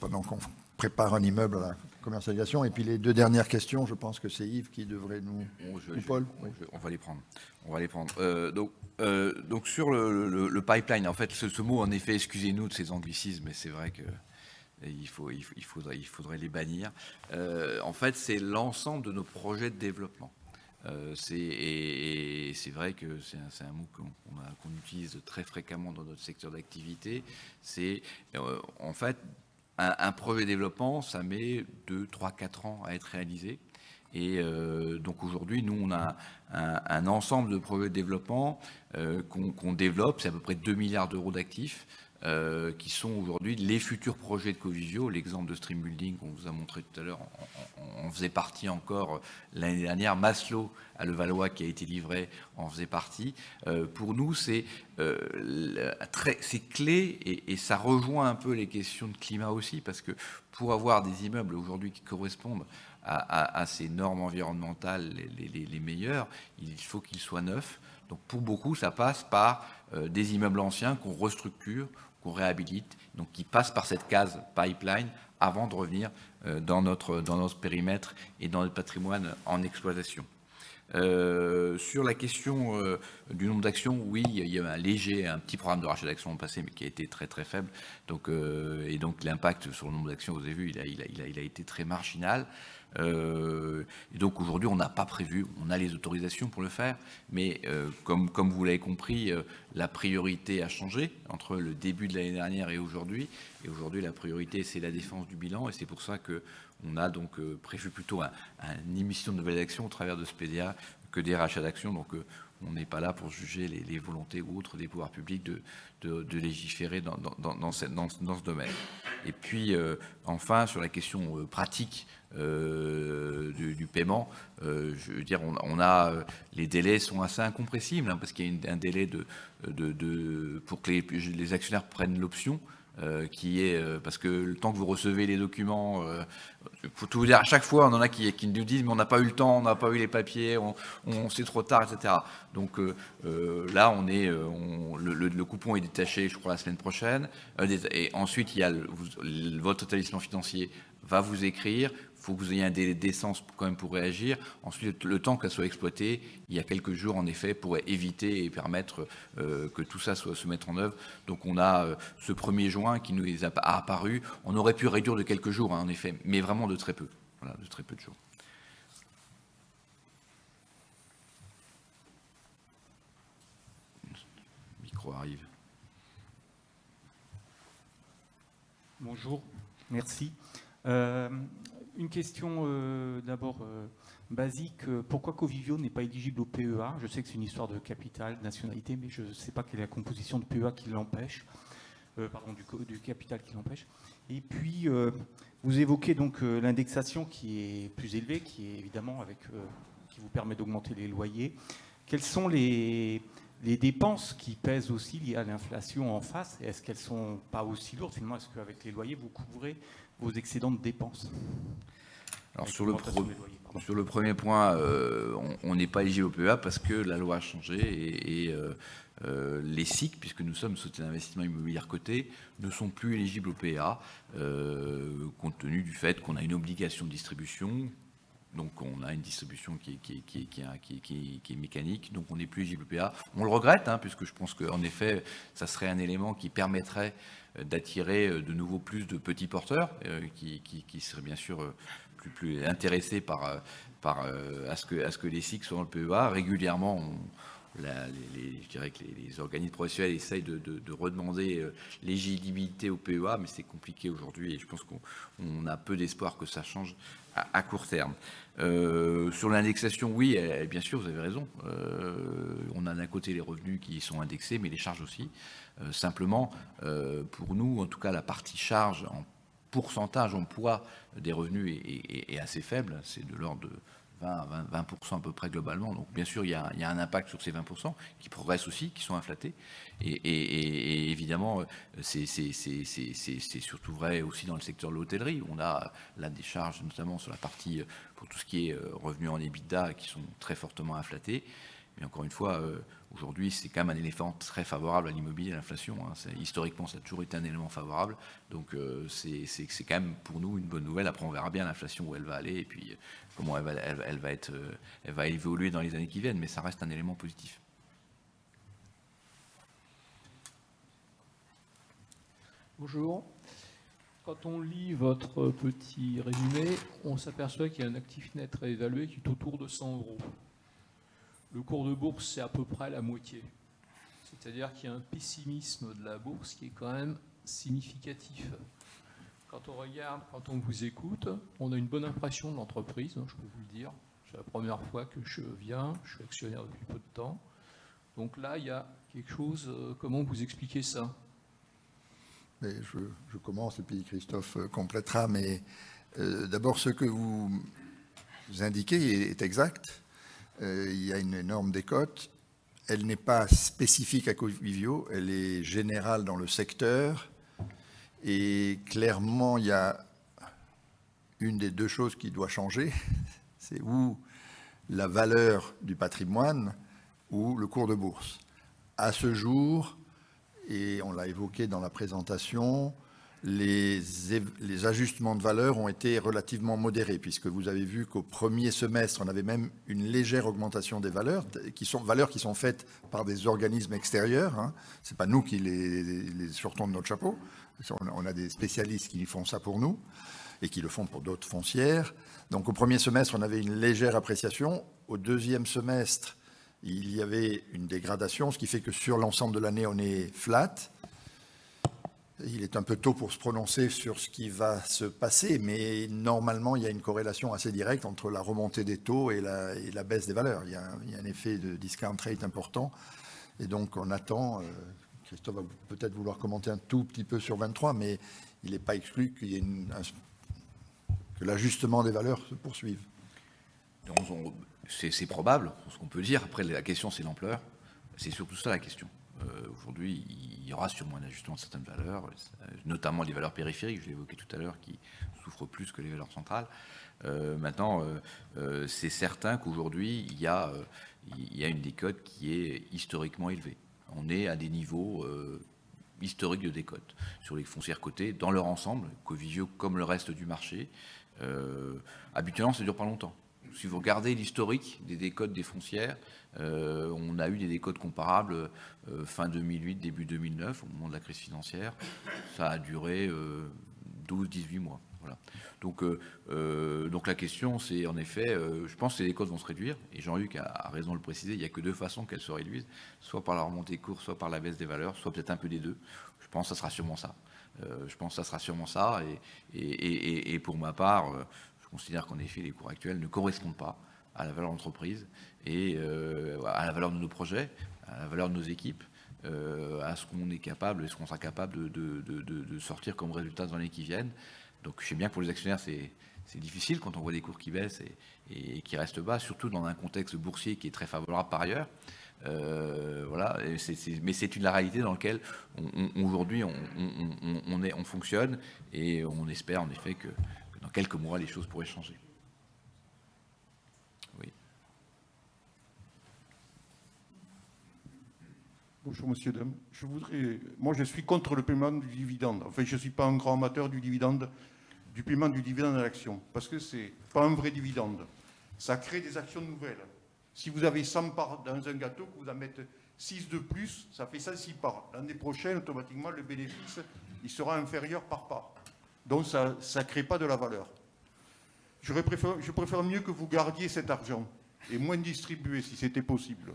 pendant qu'on prépare un immeuble à la commercialisation. Puis les 2 dernières questions, je pense que c'est Yves qui devrait nous ou Paul. On va les prendre. Sur le pipeline, ce mot, excusez-nous de ces anglicismes, c'est vrai qu'il faudrait les bannir. C'est l'ensemble de nos projets de développement. C'est vrai que c'est un mot qu'on utilise très fréquemment dans notre secteur d'activité. C'est un projet de développement, ça met 2, 3, 4 ans à être réalisé. Aujourd'hui, nous, on a un ensemble de projets de développement qu'on développe. C'est à peu près 2 billion d'actifs qui sont aujourd'hui les futurs projets de Covivio, l'exemple de Stream Building qu'on vous a montré tout à l'heure, faisait partie encore l'année dernière. Maslö, à Levallois, qui a été livré, en faisait partie. Pour nous, c'est clé et ça rejoint un peu les questions de climat aussi, parce que pour avoir des immeubles aujourd'hui qui correspondent à ces normes environnementales, les meilleurs, il faut qu'ils soient neufs. Pour beaucoup, ça passe par des immeubles anciens qu'on restructure, qu'on réhabilite, donc qui passent par cette case pipeline avant de revenir dans notre périmètre et dans notre patrimoine en exploitation. Sur la question du nombre d'actions, oui, il y a eu un léger, un petit programme de rachat d'actions passé, mais qui a été très faible. L'impact sur le nombre d'actions, vous avez vu, il a été très marginal. Aujourd'hui, on n'a pas prévu. On a les autorisations pour le faire, mais comme vous l'avez compris, la priorité a changé entre le début de l'année dernière et aujourd'hui. Aujourd'hui, la priorité, c'est la défense du bilan. C'est pour ça qu'on a donc prévu plutôt une émission de nouvelles actions au travers de ce PDA que des rachats d'actions. On n'est pas là pour juger les volontés ou autres des pouvoirs publics de légiférer dans ce domaine. Enfin, sur la question pratique du paiement, je veux dire, on a les délais sont assez incompressibles parce qu'il y a un délai pour que les actionnaires prennent l'option, parce que le temps que vous recevez les documents... Pour tout vous dire, à chaque fois, on en a qui nous disent: On n'a pas eu le temps, on n'a pas eu les papiers, on, c'est trop tard, etc. Là, on est, le coupon est détaché, je crois, la semaine prochaine. Ensuite, il y a votre établissement financier va vous écrire. Il faut que vous ayez un délai décence quand même pour réagir. Le temps qu'elle soit exploitée, il y a quelques jours, en effet, pour éviter et permettre que tout ça soit, se mette en œuvre. On a ce premier juin qui nous est apparu. On aurait pu réduire de quelques jours, en effet, mais vraiment de très peu. De très peu de jours. Le micro arrive. Bonjour, merci. Une question d'abord basique: pourquoi Covivio n'est pas éligible au PEA? Je sais que c'est une histoire de capital, nationalité, mais je ne sais pas quelle est la composition de PEA qui l'empêche. Pardon, du capital qui l'empêche. Vous évoquez donc l'indexation qui est plus élevée, qui évidemment, qui vous permet d'augmenter les loyers. Quelles sont les dépenses qui pèsent aussi liées à l'inflation en face? Est-ce qu'elles sont pas aussi lourdes? Finalement, est-ce qu'avec les loyers, vous couvrez vos excédents de dépenses? Sur le premier point, on n'est pas éligible au PEA parce que la loi a changé et les SIC, puisque nous sommes Sociétés d'Investissement Immobilier cotées, ne sont plus éligibles au PEA, compte tenu du fait qu'on a une obligation de distribution. On a une distribution qui est mécanique. On n'est plus éligible au PEA. On le regrette hein, puisque je pense qu'en effet, ça serait un élément qui permettrait d'attirer de nouveau plus de petits porteurs qui seraient bien sûr plus intéressés par à ce que les SIC soient dans le PEA. Régulièrement, on, je dirais que les organismes professionnels essayent de redemander l'éligibilité au PEA, mais c'est compliqué aujourd'hui et je pense qu'on a peu d'espoir que ça change à court terme. Sur l'indexation, oui, bien sûr, vous avez raison. On a d'un côté les revenus qui sont indexés, mais les charges aussi. Simplement, pour nous, en tout cas, la partie charges en pourcentage, en poids des revenus est assez faible. C'est de l'ordre de 20% à peu près globalement. Bien sûr, il y a un impact sur ces 20% qui progressent aussi, qui sont inflatés. Évidemment, c'est surtout vrai aussi dans le secteur de l'hôtellerie. On a là des charges, notamment sur la partie pour tout ce qui est revenus en EBITDA, qui sont très fortement inflatés. Encore une fois, aujourd'hui, c'est quand même un élément très favorable à l'immobilier, à l'inflation. Historiquement, ça a toujours été un élément favorable. C'est quand même pour nous une bonne nouvelle. On verra bien l'inflation, où elle va aller et puis comment elle va, elle va être, elle va évoluer dans les années qui viennent, mais ça reste un élément positif. Bonjour. On lit votre petit résumé, on s'aperçoit qu'il y a un actif net réévalué qui est autour de 100 euros. Le cours de bourse, c'est à peu près la moitié. Il y a un pessimisme de la bourse qui est quand même significatif. On regarde, quand on vous écoute, on a une bonne impression de l'entreprise, je peux vous le dire. C'est la première fois que je viens. Je suis actionnaire depuis peu de temps. Là, il y a quelque chose... Comment vous expliquez ça? Je commence et puis Christophe complétera. D'abord, ce que vous indiquez est exact. Il y a une énorme décote. Elle n'est pas spécifique à Covivio, elle est générale dans le secteur. Clairement, il y a une des two choses qui doit changer, c'est ou la valeur du patrimoine ou le cours de bourse. À ce jour, on l'a évoqué dans la présentation, les ajustements de valeurs ont été relativement modérés puisque vous avez vu qu'au first semester, on avait même une légère augmentation des valeurs qui sont faites par des organismes extérieurs. C'est pas nous qui les sortons de notre chapeau. On a des spécialistes qui font ça pour nous et qui le font pour d'autres foncières. Au first semester, on avait une légère appréciation. Au deuxième semestre, il y avait une dégradation, ce qui fait que sur l'ensemble de l'année, on est flat. Il est un peu tôt pour se prononcer sur ce qui va se passer, mais normalement, il y a une corrélation assez directe entre la remontée des taux et la baisse des valeurs. Il y a un effet de discount rate important et donc on attend. Christophe va peut-être vouloir commenter un tout petit peu sur 2023, mais il n'est pas exclu qu'il y ait une que l'ajustement des valeurs se poursuive. C'est probable, c'est ce qu'on peut dire. Après, la question, c'est l'ampleur. C'est surtout ça la question. Aujourd'hui, il y aura sûrement un ajustement de certaines valeurs, notamment les valeurs périphériques, je l'ai évoqué tout à l'heure, qui souffrent plus que les valeurs centrales. Maintenant, c'est certain qu'aujourd'hui, il y a une décote qui est historiquement élevée. On est à des niveaux historiques de décotes sur les foncières cotées dans leur ensemble, Covivio comme le reste du marché. À butée, ça ne dure pas longtemps. Si vous regardez l'historique des décotes des foncières, on a eu des décotes comparables fin 2008, début 2009, au moment de la crise financière. Ça a duré 12-18 mois. Voilà. La question, c'est en effet, je pense que les décotes vont se réduire. Jean-Luc a raison de le préciser, il n'y a que deux façons qu'elles se réduisent, soit par la remontée des cours, soit par la baisse des valeurs, soit peut-être un peu des deux. Je pense, ça sera sûrement ça. Pour ma part, je considère qu'en effet, les cours actuels ne correspondent pas à la valeur d'entreprise et à la valeur de nos projets, à la valeur de nos équipes, à ce qu'on est capable et ce qu'on sera capable de sortir comme résultat dans l'année qui viennent. Je sais bien que pour les actionnaires, c'est difficile quand on voit des cours qui baissent et qui restent bas, surtout dans un contexte boursier qui est très favorable par ailleurs. Voilà, c'est. C'est une réalité dans laquelle on, aujourd'hui, on fonctionne et on espère en effet que dans quelques mois, les choses pourraient changer. Oui. Bonjour Messieurs, dames. moi, je suis contre le paiement du dividende. Enfin, je ne suis pas un grand amateur du paiement du dividende à l'action, parce que ce n'est pas un vrai dividende. Ça crée des actions nouvelles. Si vous avez 100 parts dans un gâteau, que vous en mettez 6 de plus, ça fait 106 parts. L'année prochaine, automatiquement, le bénéfice, il sera inférieur part par part. Donc, ça ne crée pas de la valeur. je préfère mieux que vous gardiez cet argent et moins distribuer si c'était possible.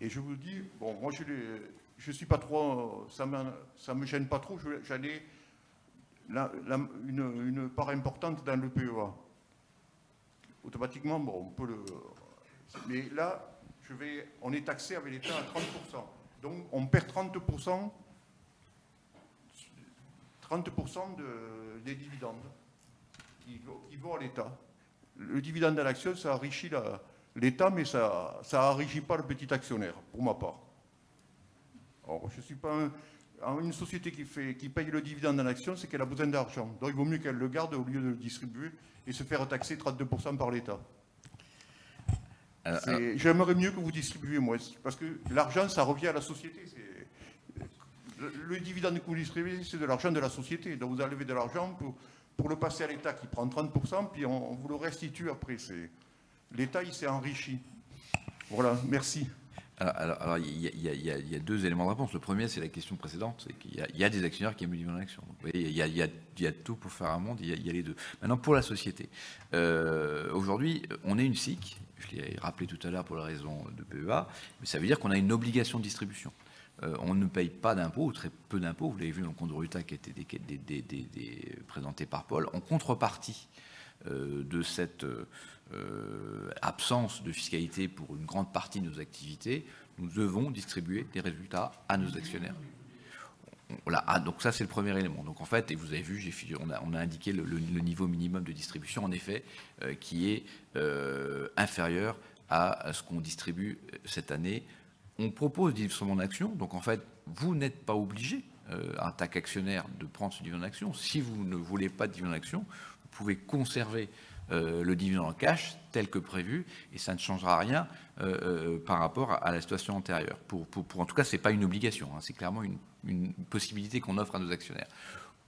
Et je vous dis, bon moi, je suis pas trop, ça me gêne pas trop. Je, j'en ai la une part importante dans le PEA. Automatiquement, bon, on peut le. on est taxé avec l'État à 30%. Donc, on perd 30%. 30% des dividendes qui vont à l'État. Le dividende à l'action, ça enrichit l'État, mais ça enrichit pas le petit actionnaire, pour ma part. Je suis pas une société qui fait, qui paye le dividende à l'action, c'est qu'elle a besoin d'argent. Il vaut mieux qu'elle le garde au lieu de le distribuer et se faire taxer 32% par l'État. J'aimerais mieux que vous distribuiez moins, parce que l'argent, ça revient à la société. Le dividende que vous distribuez, c'est de l'argent de la société. Vous enlevez de l'argent pour le passer à l'État qui prend 30%, puis on vous le restitue après. L'État, il s'est enrichi. Voilà, merci. Alors il y a deux éléments de réponse. Le premier, c'est la question précédente, c'est qu'il y a des actionnaires qui veulent du dividende en action. Vous voyez, il y a tout pour faire un monde, il y a les deux. Pour la société, aujourd'hui, on est une SIC, je l'ai rappelé tout à l'heure pour la raison de PEA, mais ça veut dire qu'on a une obligation de distribution. On ne paye pas d'impôts ou très peu d'impôts. Vous l'avez vu dans le compte de résultat qui a été présenté par Paul. En contrepartie de cette absence de fiscalité pour une grande partie de nos activités, nous devons distribuer des résultats à nos actionnaires. Voilà, ça, c'est le premier élément. En fait, et vous avez vu, on a indiqué le niveau minimum de distribution, en effet, qui est inférieur à ce qu'on distribue cette année. On propose du versement en actions. En fait, vous n'êtes pas obligé, en tant qu'actionnaire, de prendre ce dividende en actions. Si vous ne voulez pas de dividende en actions, vous pouvez conserver le dividende en cash tel que prévu et ça ne changera rien par rapport à la situation antérieure. En tout cas, ce n'est pas une obligation. C'est clairement une possibilité qu'on offre à nos actionnaires.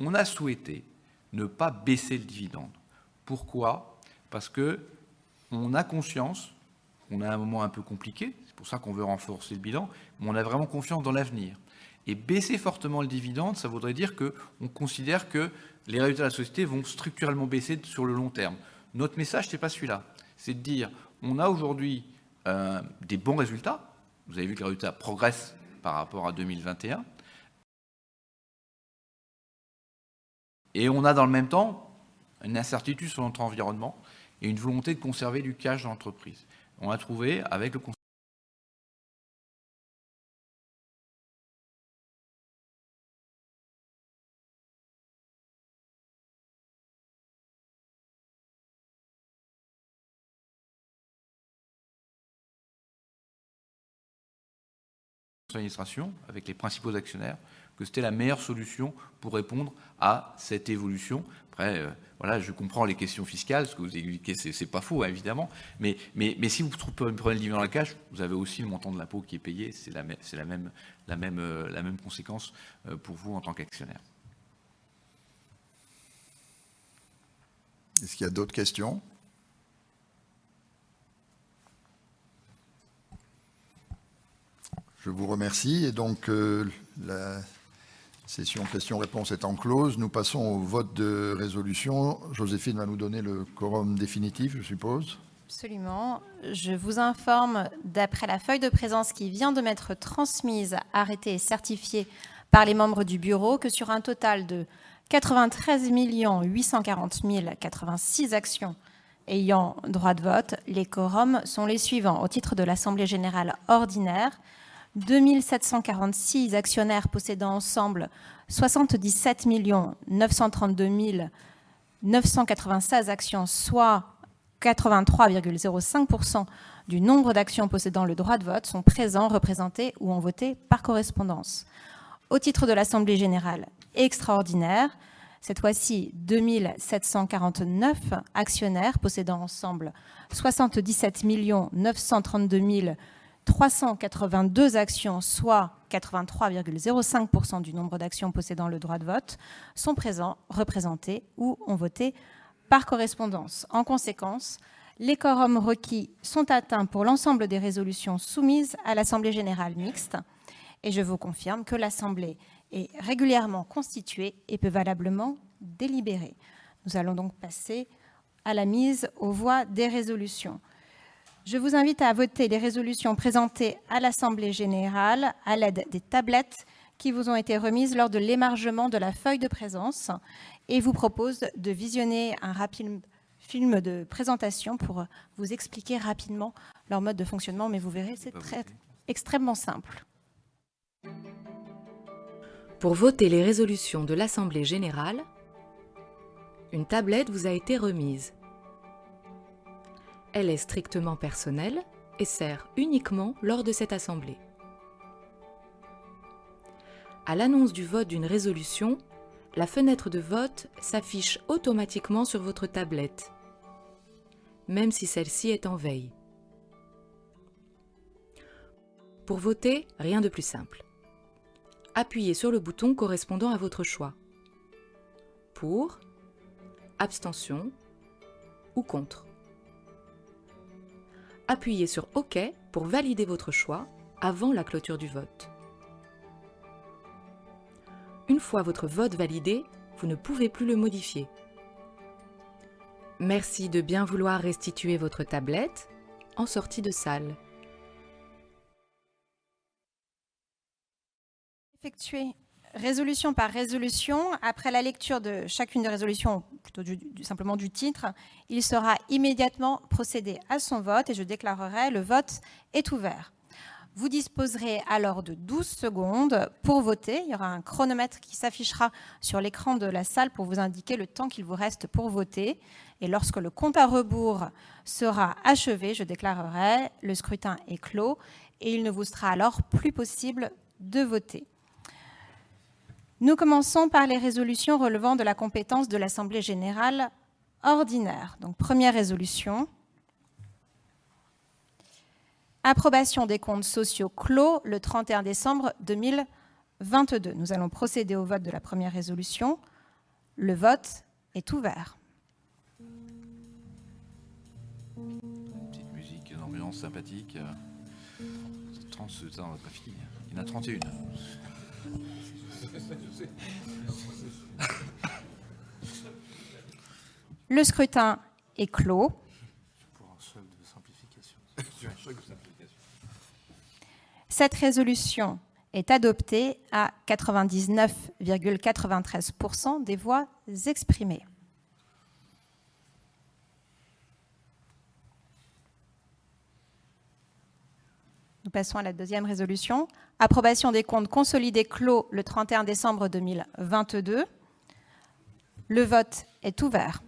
On a souhaité ne pas baisser le dividende. Pourquoi? Parce qu'on a conscience qu'on est à un moment un peu compliqué. C'est pour ça qu'on veut renforcer le bilan, mais on a vraiment confiance dans l'avenir. Baisser fortement le dividende, ça voudrait dire qu'on considère que les résultats de la société vont structurellement baisser sur le long terme. Notre message, ce n'est pas celui-là. C'est de dire: on a aujourd'hui des bons résultats. Vous avez vu que les résultats progressent par rapport à 2021. On a dans le même temps une incertitude sur notre environnement et une volonté de conserver du cash dans l'entreprise. On a trouvé avec le cons-Administration avec les principaux actionnaires que c'était la meilleure solution pour répondre à cette évolution. Voilà, je comprends les questions fiscales, ce que vous expliquez, c'est pas faux, évidemment. Mais si vous prenez le dividend cash, vous avez aussi le montant de l'impôt qui est payé. C'est la même conséquence pour vous en tant qu'actionnaire. Est-ce qu'il y a d'autres questions? Je vous remercie. Donc, la session questions-réponses est en close. Nous passons au vote de résolution. Joséphine va nous donner le quorum définitif, je suppose. Absolument. Je vous informe, d'après la feuille de présence qui vient de m'être transmise, arrêtée et certifiée par les membres du bureau, que sur un total de 93,840,086 actions ayant droit de vote, les quorums sont les suivants: Au titre de l'Assemblée Générale Ordinaire, 2,746 actionnaires possédant ensemble 77,932,996 actions, soit 83.05% du nombre d'actions possédant le droit de vote, sont présents, représentés ou ont voté par correspondance. Au titre de l'Assemblée Générale Extraordinaire, cette fois-ci, 2,749 actionnaires possédant ensemble 77,932,382 actions, soit 83.05% du nombre d'actions possédant le droit de vote, sont présents, représentés ou ont voté par correspondance. En conséquence, les quorums requis sont atteints pour l'ensemble des résolutions soumises à l'Assemblée générale mixte et je vous confirme que l'Assemblée est régulièrement constituée et peut valablement délibérer. Nous allons donc passer à la mise aux voix des résolutions. Je vous invite à voter les résolutions présentées à l'Assemblée générale à l'aide des tablettes qui vous ont été remises lors de l'émargement de la feuille de présence et vous propose de visionner un rapide film de présentation pour vous expliquer rapidement leur mode de fonctionnement, mais vous verrez, c'est extrêmement simple. Pour voter les résolutions de l'Assemblée générale, une tablette vous a été remise. Elle est strictement personnelle et sert uniquement lors de cette assemblée. À l'annonce du vote d'une résolution, la fenêtre de vote s'affiche automatiquement sur votre tablette, même si celle-ci est en veille. Pour voter, rien de plus simple. Appuyez sur le bouton correspondant à votre choix. Pour, abstention ou contre. Appuyez sur OK pour valider votre choix avant la clôture du vote. Une fois votre vote validé, vous ne pouvez plus le modifier. Merci de bien vouloir restituer votre tablette en sortie de salle. Effectué résolution par résolution. Après la lecture de chacune des résolutions, ou plutôt simplement du titre, il sera immédiatement procédé à son vote et je déclarerai: "Le vote est ouvert." Vous disposerez alors de 12 secondes pour voter. Il y aura un chronomètre qui s'affichera sur l'écran de la salle pour vous indiquer le temps qu'il vous reste pour voter. Et lorsque le compte à rebours sera achevé, je déclarerai: "Le scrutin est clos" et il ne vous sera alors plus possible de voter. Nous commençons par les résolutions relevant de la compétence de l'Assemblée générale ordinaire. Donc première résolution. Approbation des comptes sociaux clos le 31 décembre 2022. Nous allons procéder au vote de la première résolution. Le vote est ouvert. Une petite musique d'ambiance sympathique. 30 secondes, on n'a pas fini. Il y en a 31. Le scrutin est clos. Pour un choc de simplification. J'ai un choc de simplification. Cette résolution est adoptée à 99.93% des voix exprimées. Nous passons à la deuxième résolution. Approbation des comptes consolidés clos le 31 décembre 2022. Le vote est ouvert.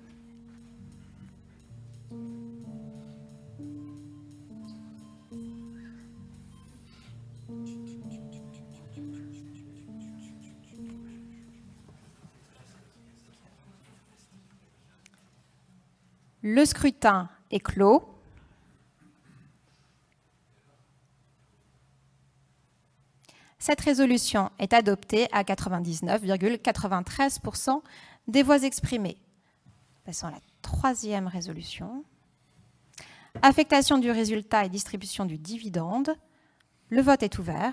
Le scrutin est clos. Cette résolution est adoptée à 99.93% des voix exprimées. Passons à la troisième résolution. Affectation du résultat et distribution du dividende. Le vote est ouvert. Le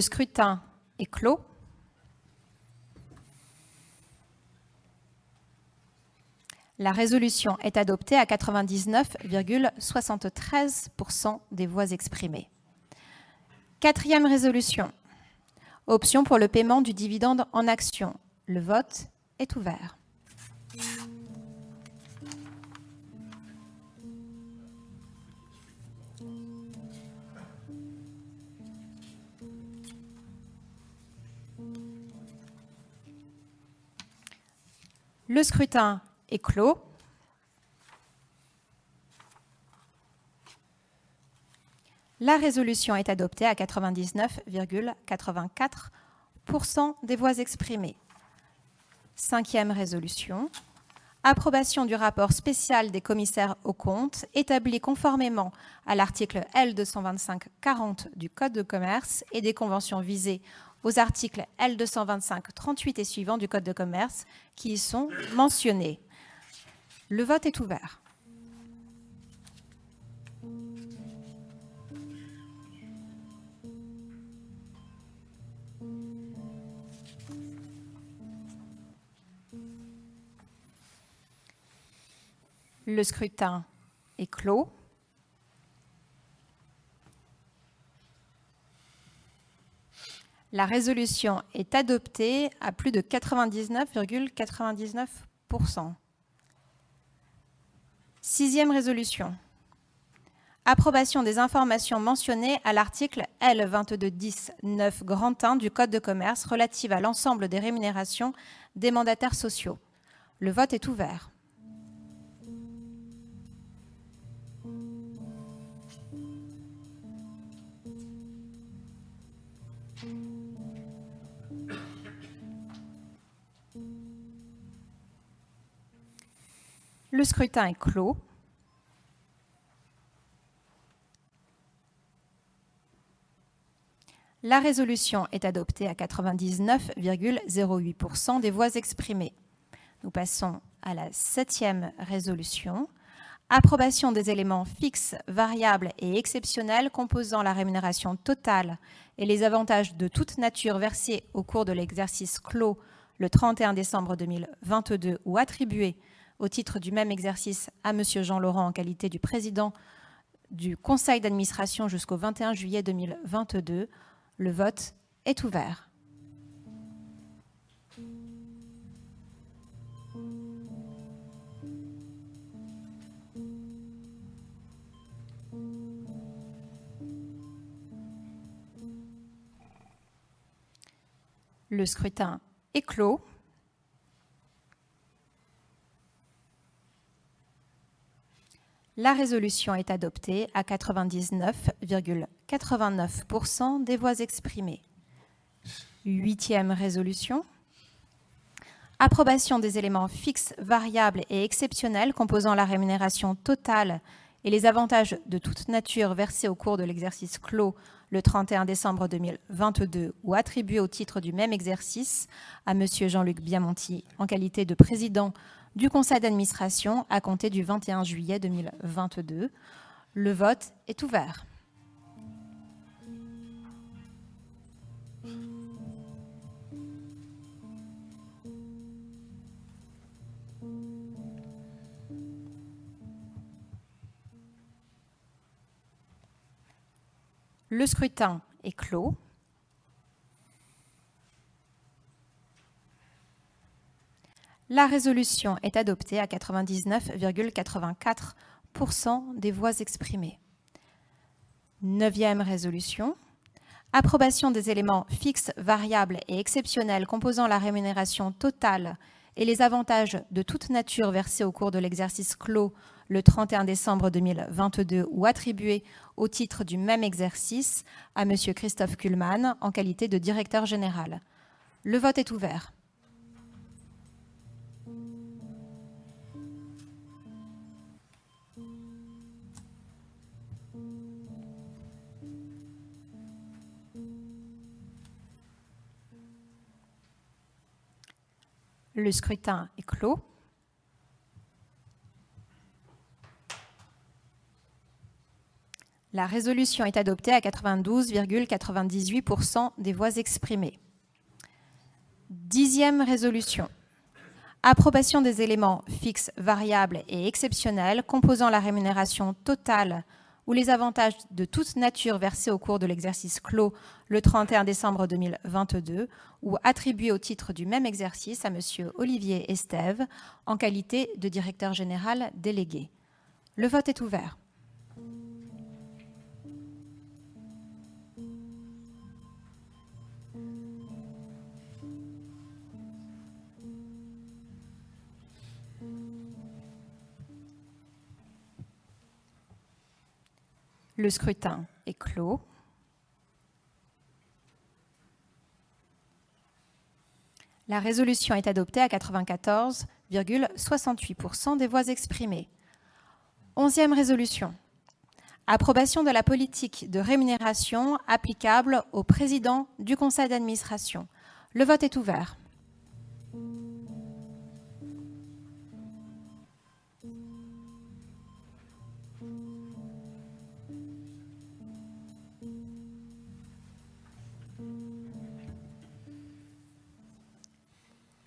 scrutin est clos. La résolution est adoptée à 99.73% des voix exprimées. Quatrième résolution: Option pour le paiement du dividende en actions. Le vote est ouvert. Le scrutin est clos. La résolution est adoptée à 99.84% des voix exprimées. Cinquième résolution: approbation du rapport spécial des commissaires aux comptes établi conformément à l'article L. 225-40 du code de commerce et des conventions visées aux articles L. 225-38 et suivants du code de commerce qui y sont mentionnés. Le vote est ouvert. Le scrutin est clos. La résolution est adoptée à plus de 99.99%. Sixième résolution: approbation des informations mentionnées à l'article L. 22-10-9 grand un du code de commerce relative à l'ensemble des rémunérations des mandataires sociaux. Le vote est ouvert. Le scrutin est clos. La résolution est adoptée à 99.08% des voix exprimées. Nous passons à la septième résolution: approbation des éléments fixes, variables et exceptionnels composant la rémunération totale et les avantages de toute nature versés au cours de l'exercice clos le trente-et-un décembre deux mille vingt-deux ou attribués au titre du même exercice à Monsieur Jean Laurent en qualité du président du conseil d'administration jusqu'au vingt-et-un juillet deux mille vingt-deux. Le vote est ouvert. Le scrutin est clos. La résolution est adoptée à 99.89% des voix exprimées. Huitième résolution: approbation des éléments fixes, variables et exceptionnels composant la rémunération totale et les avantages de toute nature versés au cours de l'exercice clos le trente-et-un décembre deux mille vingt-deux ou attribués au titre du même exercice à Monsieur Jean-Luc Biamonti en qualité de président du conseil d'administration à compter du vingt-et-un juillet deux mille vingt-deux. Le vote est ouvert. Le scrutin est clos. La résolution est adoptée à 99.84% des voix exprimées. 9th résolution: approbation des éléments fixes, variables et exceptionnels composant la rémunération totale et les avantages de toute nature versés au cours de l'exercice clos le December 31, 2022 ou attribués au titre du même exercice à Monsieur Christophe Kullmann en qualité de Directeur Général. Le vote est ouvert. Le scrutin est clos. La résolution est adoptée à 92.98% des voix exprimées. 10th résolution: approbation des éléments fixes, variables et exceptionnels composant la rémunération totale ou les avantages de toute nature versés au cours de l'exercice clos le December 31, 2022 ou attribués au titre du même exercice à Monsieur Olivier Estève en qualité de Directeur Général Délégué. Le vote est ouvert. Le scrutin est clos. La résolution est adoptée à 94.68% des voix exprimées. 11th résolution: approbation de la politique de rémunération applicable au président du conseil d'administration. Le vote est ouvert.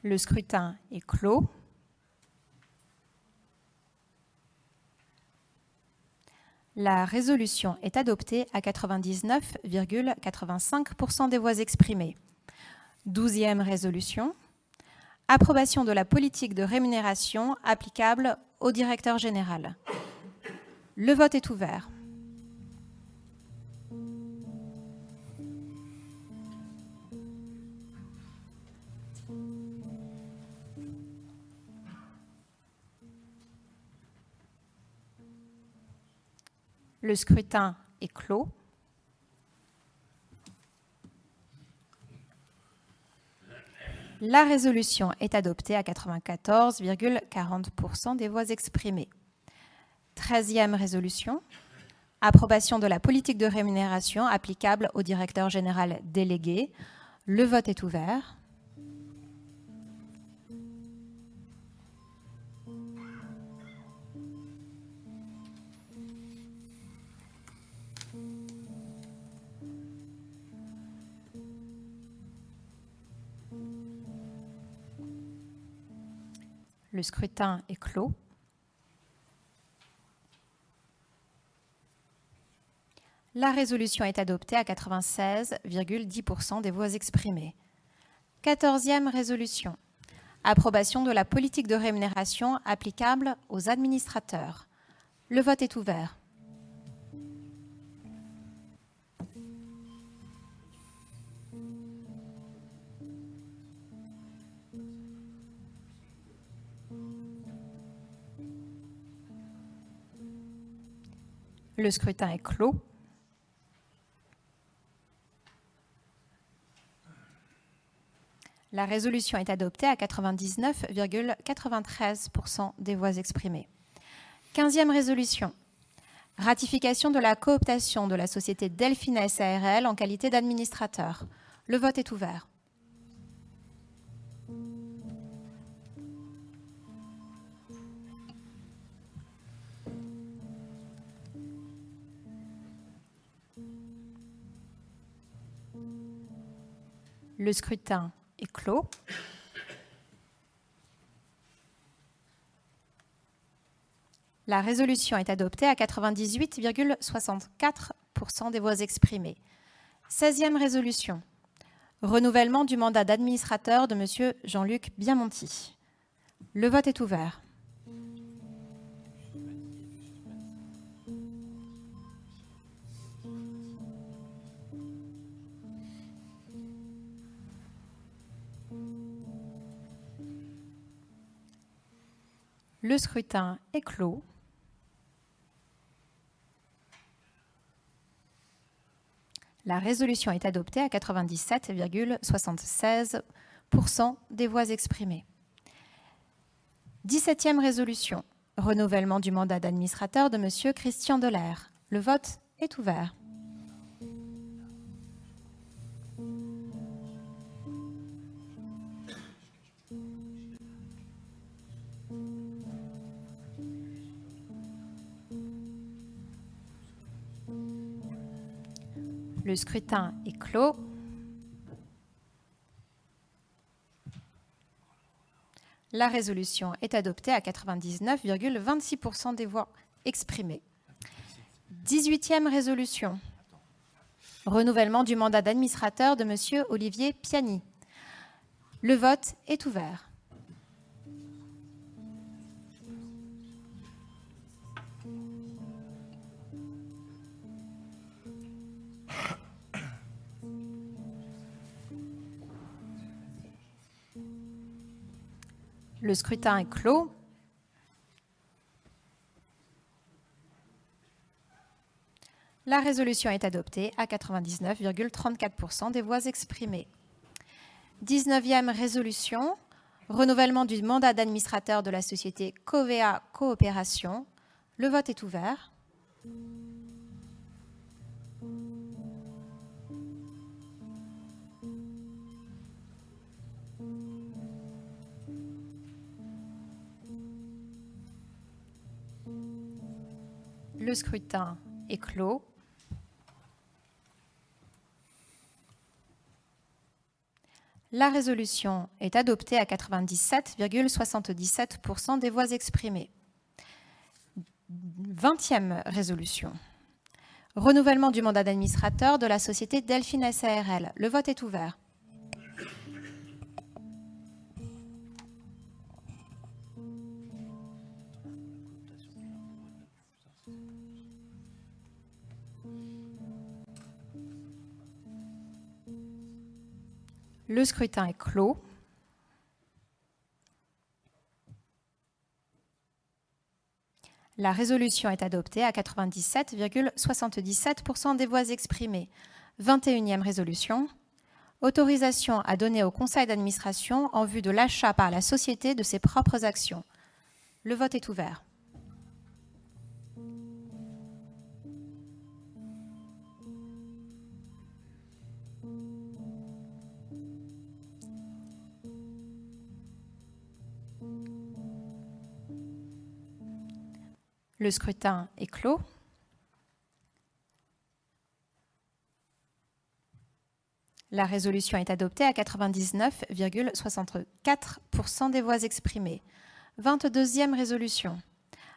Le scrutin est clos. La résolution est adoptée à 99.85% des voix exprimées. 12th résolution: approbation de la politique de rémunération applicable au directeur général. Le vote est ouvert. Le scrutin est clos. La résolution est adoptée à 94.40% des voix exprimées. 13th résolution: approbation de la politique de rémunération applicable au directeur général délégué. Le vote est ouvert. Le scrutin est clos. La résolution est adoptée à 96.10% des voix exprimées. 14th résolution: approbation de la politique de rémunération applicable aux administrateurs. Le vote est ouvert. Le scrutin est clos. La résolution est adoptée à 99.93% des voix exprimées. 15th résolution: ratification de la cooptation de la société Delfin S.à.r.l. en qualité d'administrateur. Le vote est ouvert. Le scrutin est clos. La résolution est adoptée à 98.64% des voix exprimées. 16th résolution: renouvellement du mandat d'administrateur de monsieur Jean-Luc Biamonti. Le vote est ouvert. Le scrutin est clos. La résolution est adoptée à 97.76% des voix exprimées. 17th résolution: renouvellement du mandat d'administrateur de monsieur Christian Delaire. Le vote est ouvert. Le scrutin est clos. La résolution est adoptée à 99.26% des voix exprimées. 18th résolution: renouvellement du mandat d'administrateur de monsieur Olivier Piani. Le vote est ouvert. Le scrutin est clos. La résolution est adoptée à 99.34% des voix exprimées. 19th résolution: renouvellement du mandat d'administrateur de la société Covéa Coopérations. Le vote est ouvert. Le scrutin est clos. La résolution est adoptée à 97.77% des voix exprimées. 20th résolution: renouvellement du mandat d'administrateur de la société Delfin S.à.r.l. Le vote est ouvert. Le scrutin est clos. La résolution est adoptée à 97.77% des voix exprimées. 21st résolution: autorisation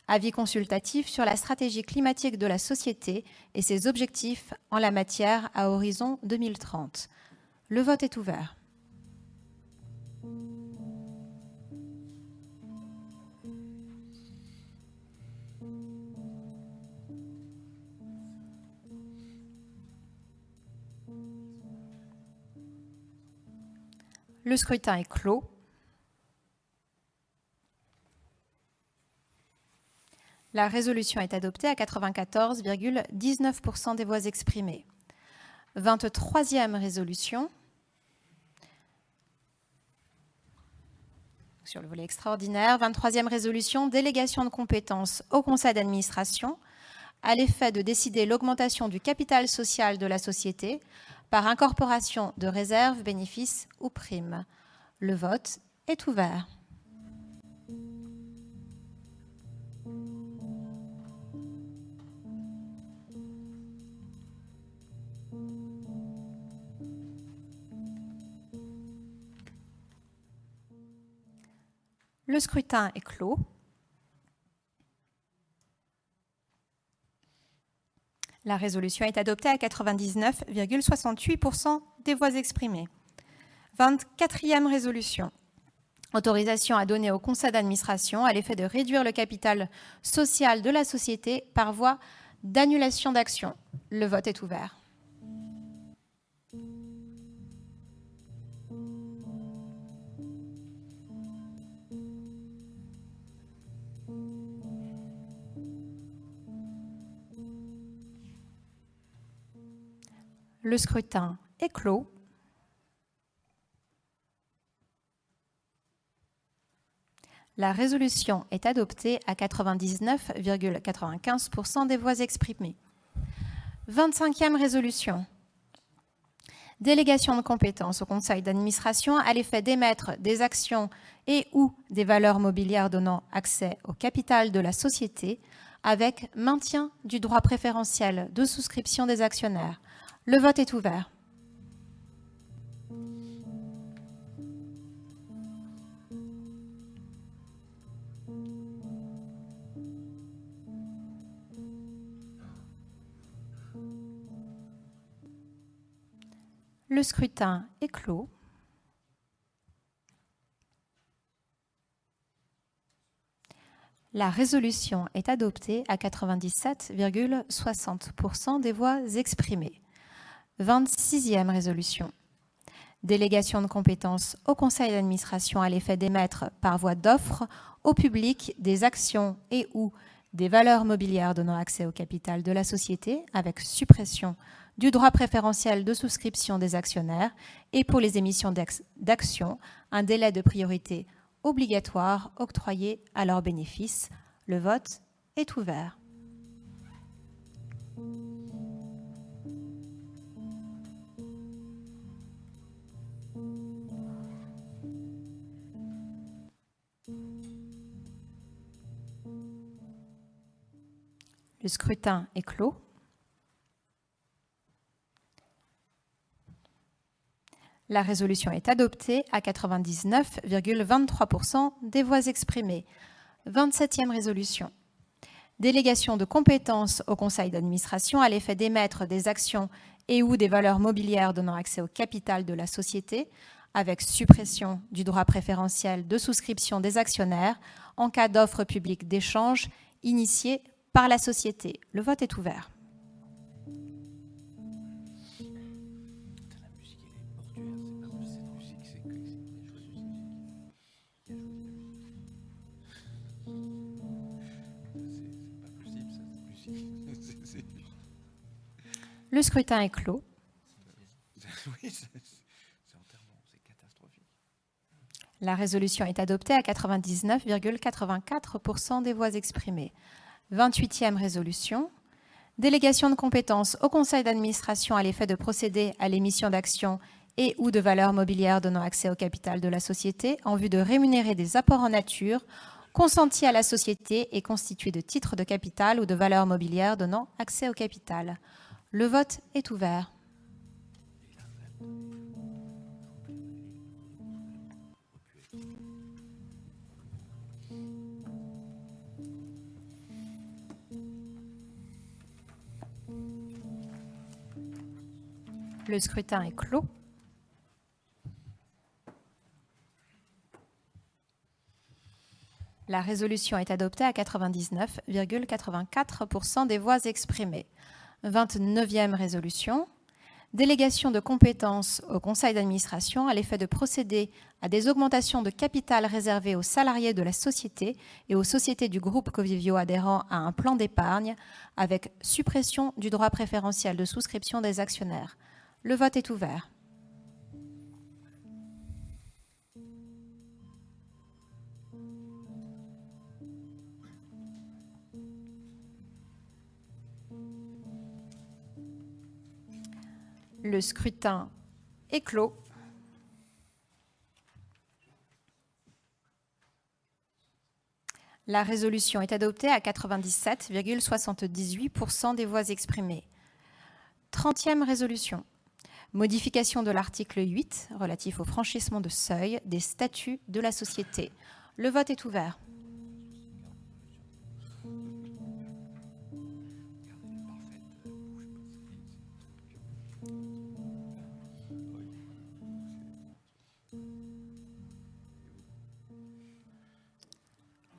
à donner au conseil d'administration en vue de l'achat par la société de ses propres actions. Le vote est ouvert. Le scrutin est clos. La résolution est adoptée à 99.64% des voix exprimées. 22nd résolution. Avis consultatif sur la stratégie climatique de la société et ses objectifs en la matière à horizon 2030. Le vote est ouvert. Le scrutin est clos. La résolution est adoptée à 94.19% des voix exprimées. 23rd résolution sur le volet extraordinaire. 23rd résolution: délégation de compétences au conseil d'administration à l'effet de décider l'augmentation du capital social de la société par incorporation de réserves, bénéfices ou primes. Le vote est ouvert. Le scrutin est clos. La résolution est adoptée à 99.68% des voix exprimées. 24th résolution: autorisation à donner au conseil d'administration à l'effet de réduire le capital social de la société par voie d'annulation d'action. Le vote est ouvert. Le scrutin est clos. La résolution est adoptée à 99.95% des voix exprimées. 25th résolution: délégation de compétences au conseil d'administration à l'effet d'émettre des actions et/ou des valeurs mobilières donnant accès au capital de la société avec maintien du droit préférentiel de souscription des actionnaires. Le vote est ouvert. Le scrutin est clos. La résolution est adoptée à 97.60% des voix exprimées. 26e résolution: délégation de compétences au conseil d'administration à l'effet d'émettre par voie d'offre au public des actions et/ou des valeurs mobilières donnant accès au capital de la société avec suppression du droit préférentiel de souscription des actionnaires et pour les émissions d'actions, un délai de priorité obligatoire octroyé à leur bénéfice. Le vote est ouvert. Le scrutin est clos. La résolution est adoptée à 99.23% des voix exprimées. 27e résolution: délégation de compétences au conseil d'administration à l'effet d'émettre des actions et/ou des valeurs mobilières donnant accès au capital de la société avec suppression du droit préférentiel de souscription des actionnaires en cas d'offre publique d'échange initiée par la société. Le vote est ouvert. La musique, elle est mortuaire, c'est pas possible cette musique. C'est. Le scrutin est clos. Oui, c'est catastrophique. La résolution est adoptée à 99.84% des voix exprimées. 28th résolution: délégation de compétences au conseil d'administration à l'effet de procéder à l'émission d'actions et/ou de valeurs mobilières donnant accès au capital de la société en vue de rémunérer des apports en nature consentis à la société et constitués de titres de capital ou de valeurs mobilières donnant accès au capital. Le vote est ouvert. Le scrutin est clos. La résolution est adoptée à 99.84% des voix exprimées. 29th résolution: délégation de compétences au conseil d'administration à l'effet de procéder à des augmentations de capital réservées aux salariés de la société et aux sociétés du groupe Covivio adhérant à un plan d'épargne avec suppression du droit préférentiel de souscription des actionnaires. Le vote est ouvert. Le scrutin est clos. La résolution est adoptée à 97.78% des voix exprimées. 30th résolution, modification de l'article 8 relatif au franchissement de seuil des statuts de la société. Le vote est ouvert.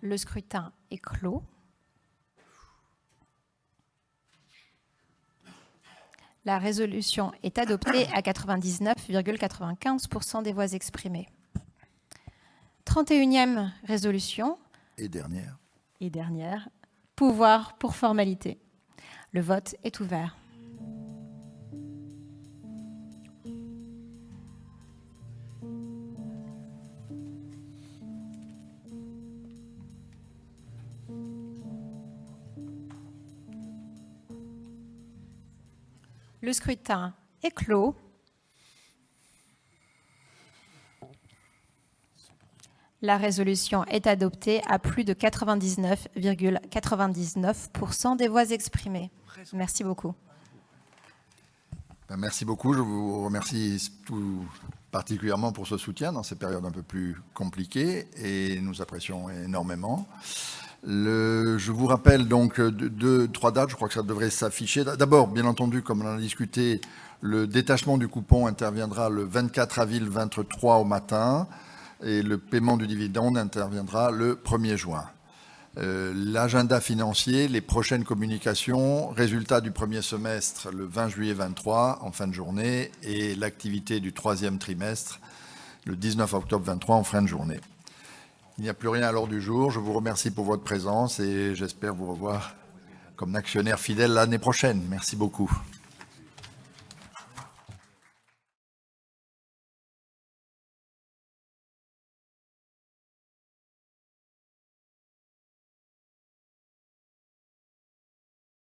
Le scrutin est clos. La résolution est adoptée à 99.95% des voix exprimées. 31st résolution. Dernière. Dernière: pouvoirs pour formalités. Le vote est ouvert. Le scrutin est clos. La résolution est adoptée à plus de 99.99% des voix exprimées. Merci beaucoup. Merci beaucoup. Je vous remercie tout particulièrement pour ce soutien dans cette période un peu plus compliquée et nous apprécions énormément. Je vous rappelle donc 2, 3 dates, je crois que ça devrait s'afficher. D'abord, bien entendu, comme on en a discuté, le détachement du coupon interviendra le 24 avril 2023 au matin et le paiement du dividende interviendra le premier juin. L'agenda financier, les prochaines communications, résultats du premier semestre, le 20 juillet 2023 en fin de journée et l'activité du troisième trimestre, le 19 octobre 2023 en fin de journée. Il n'y a plus rien à l'ordre du jour. Je vous remercie pour votre présence et j'espère vous revoir comme actionnaire fidèle l'année prochaine. Merci beaucoup.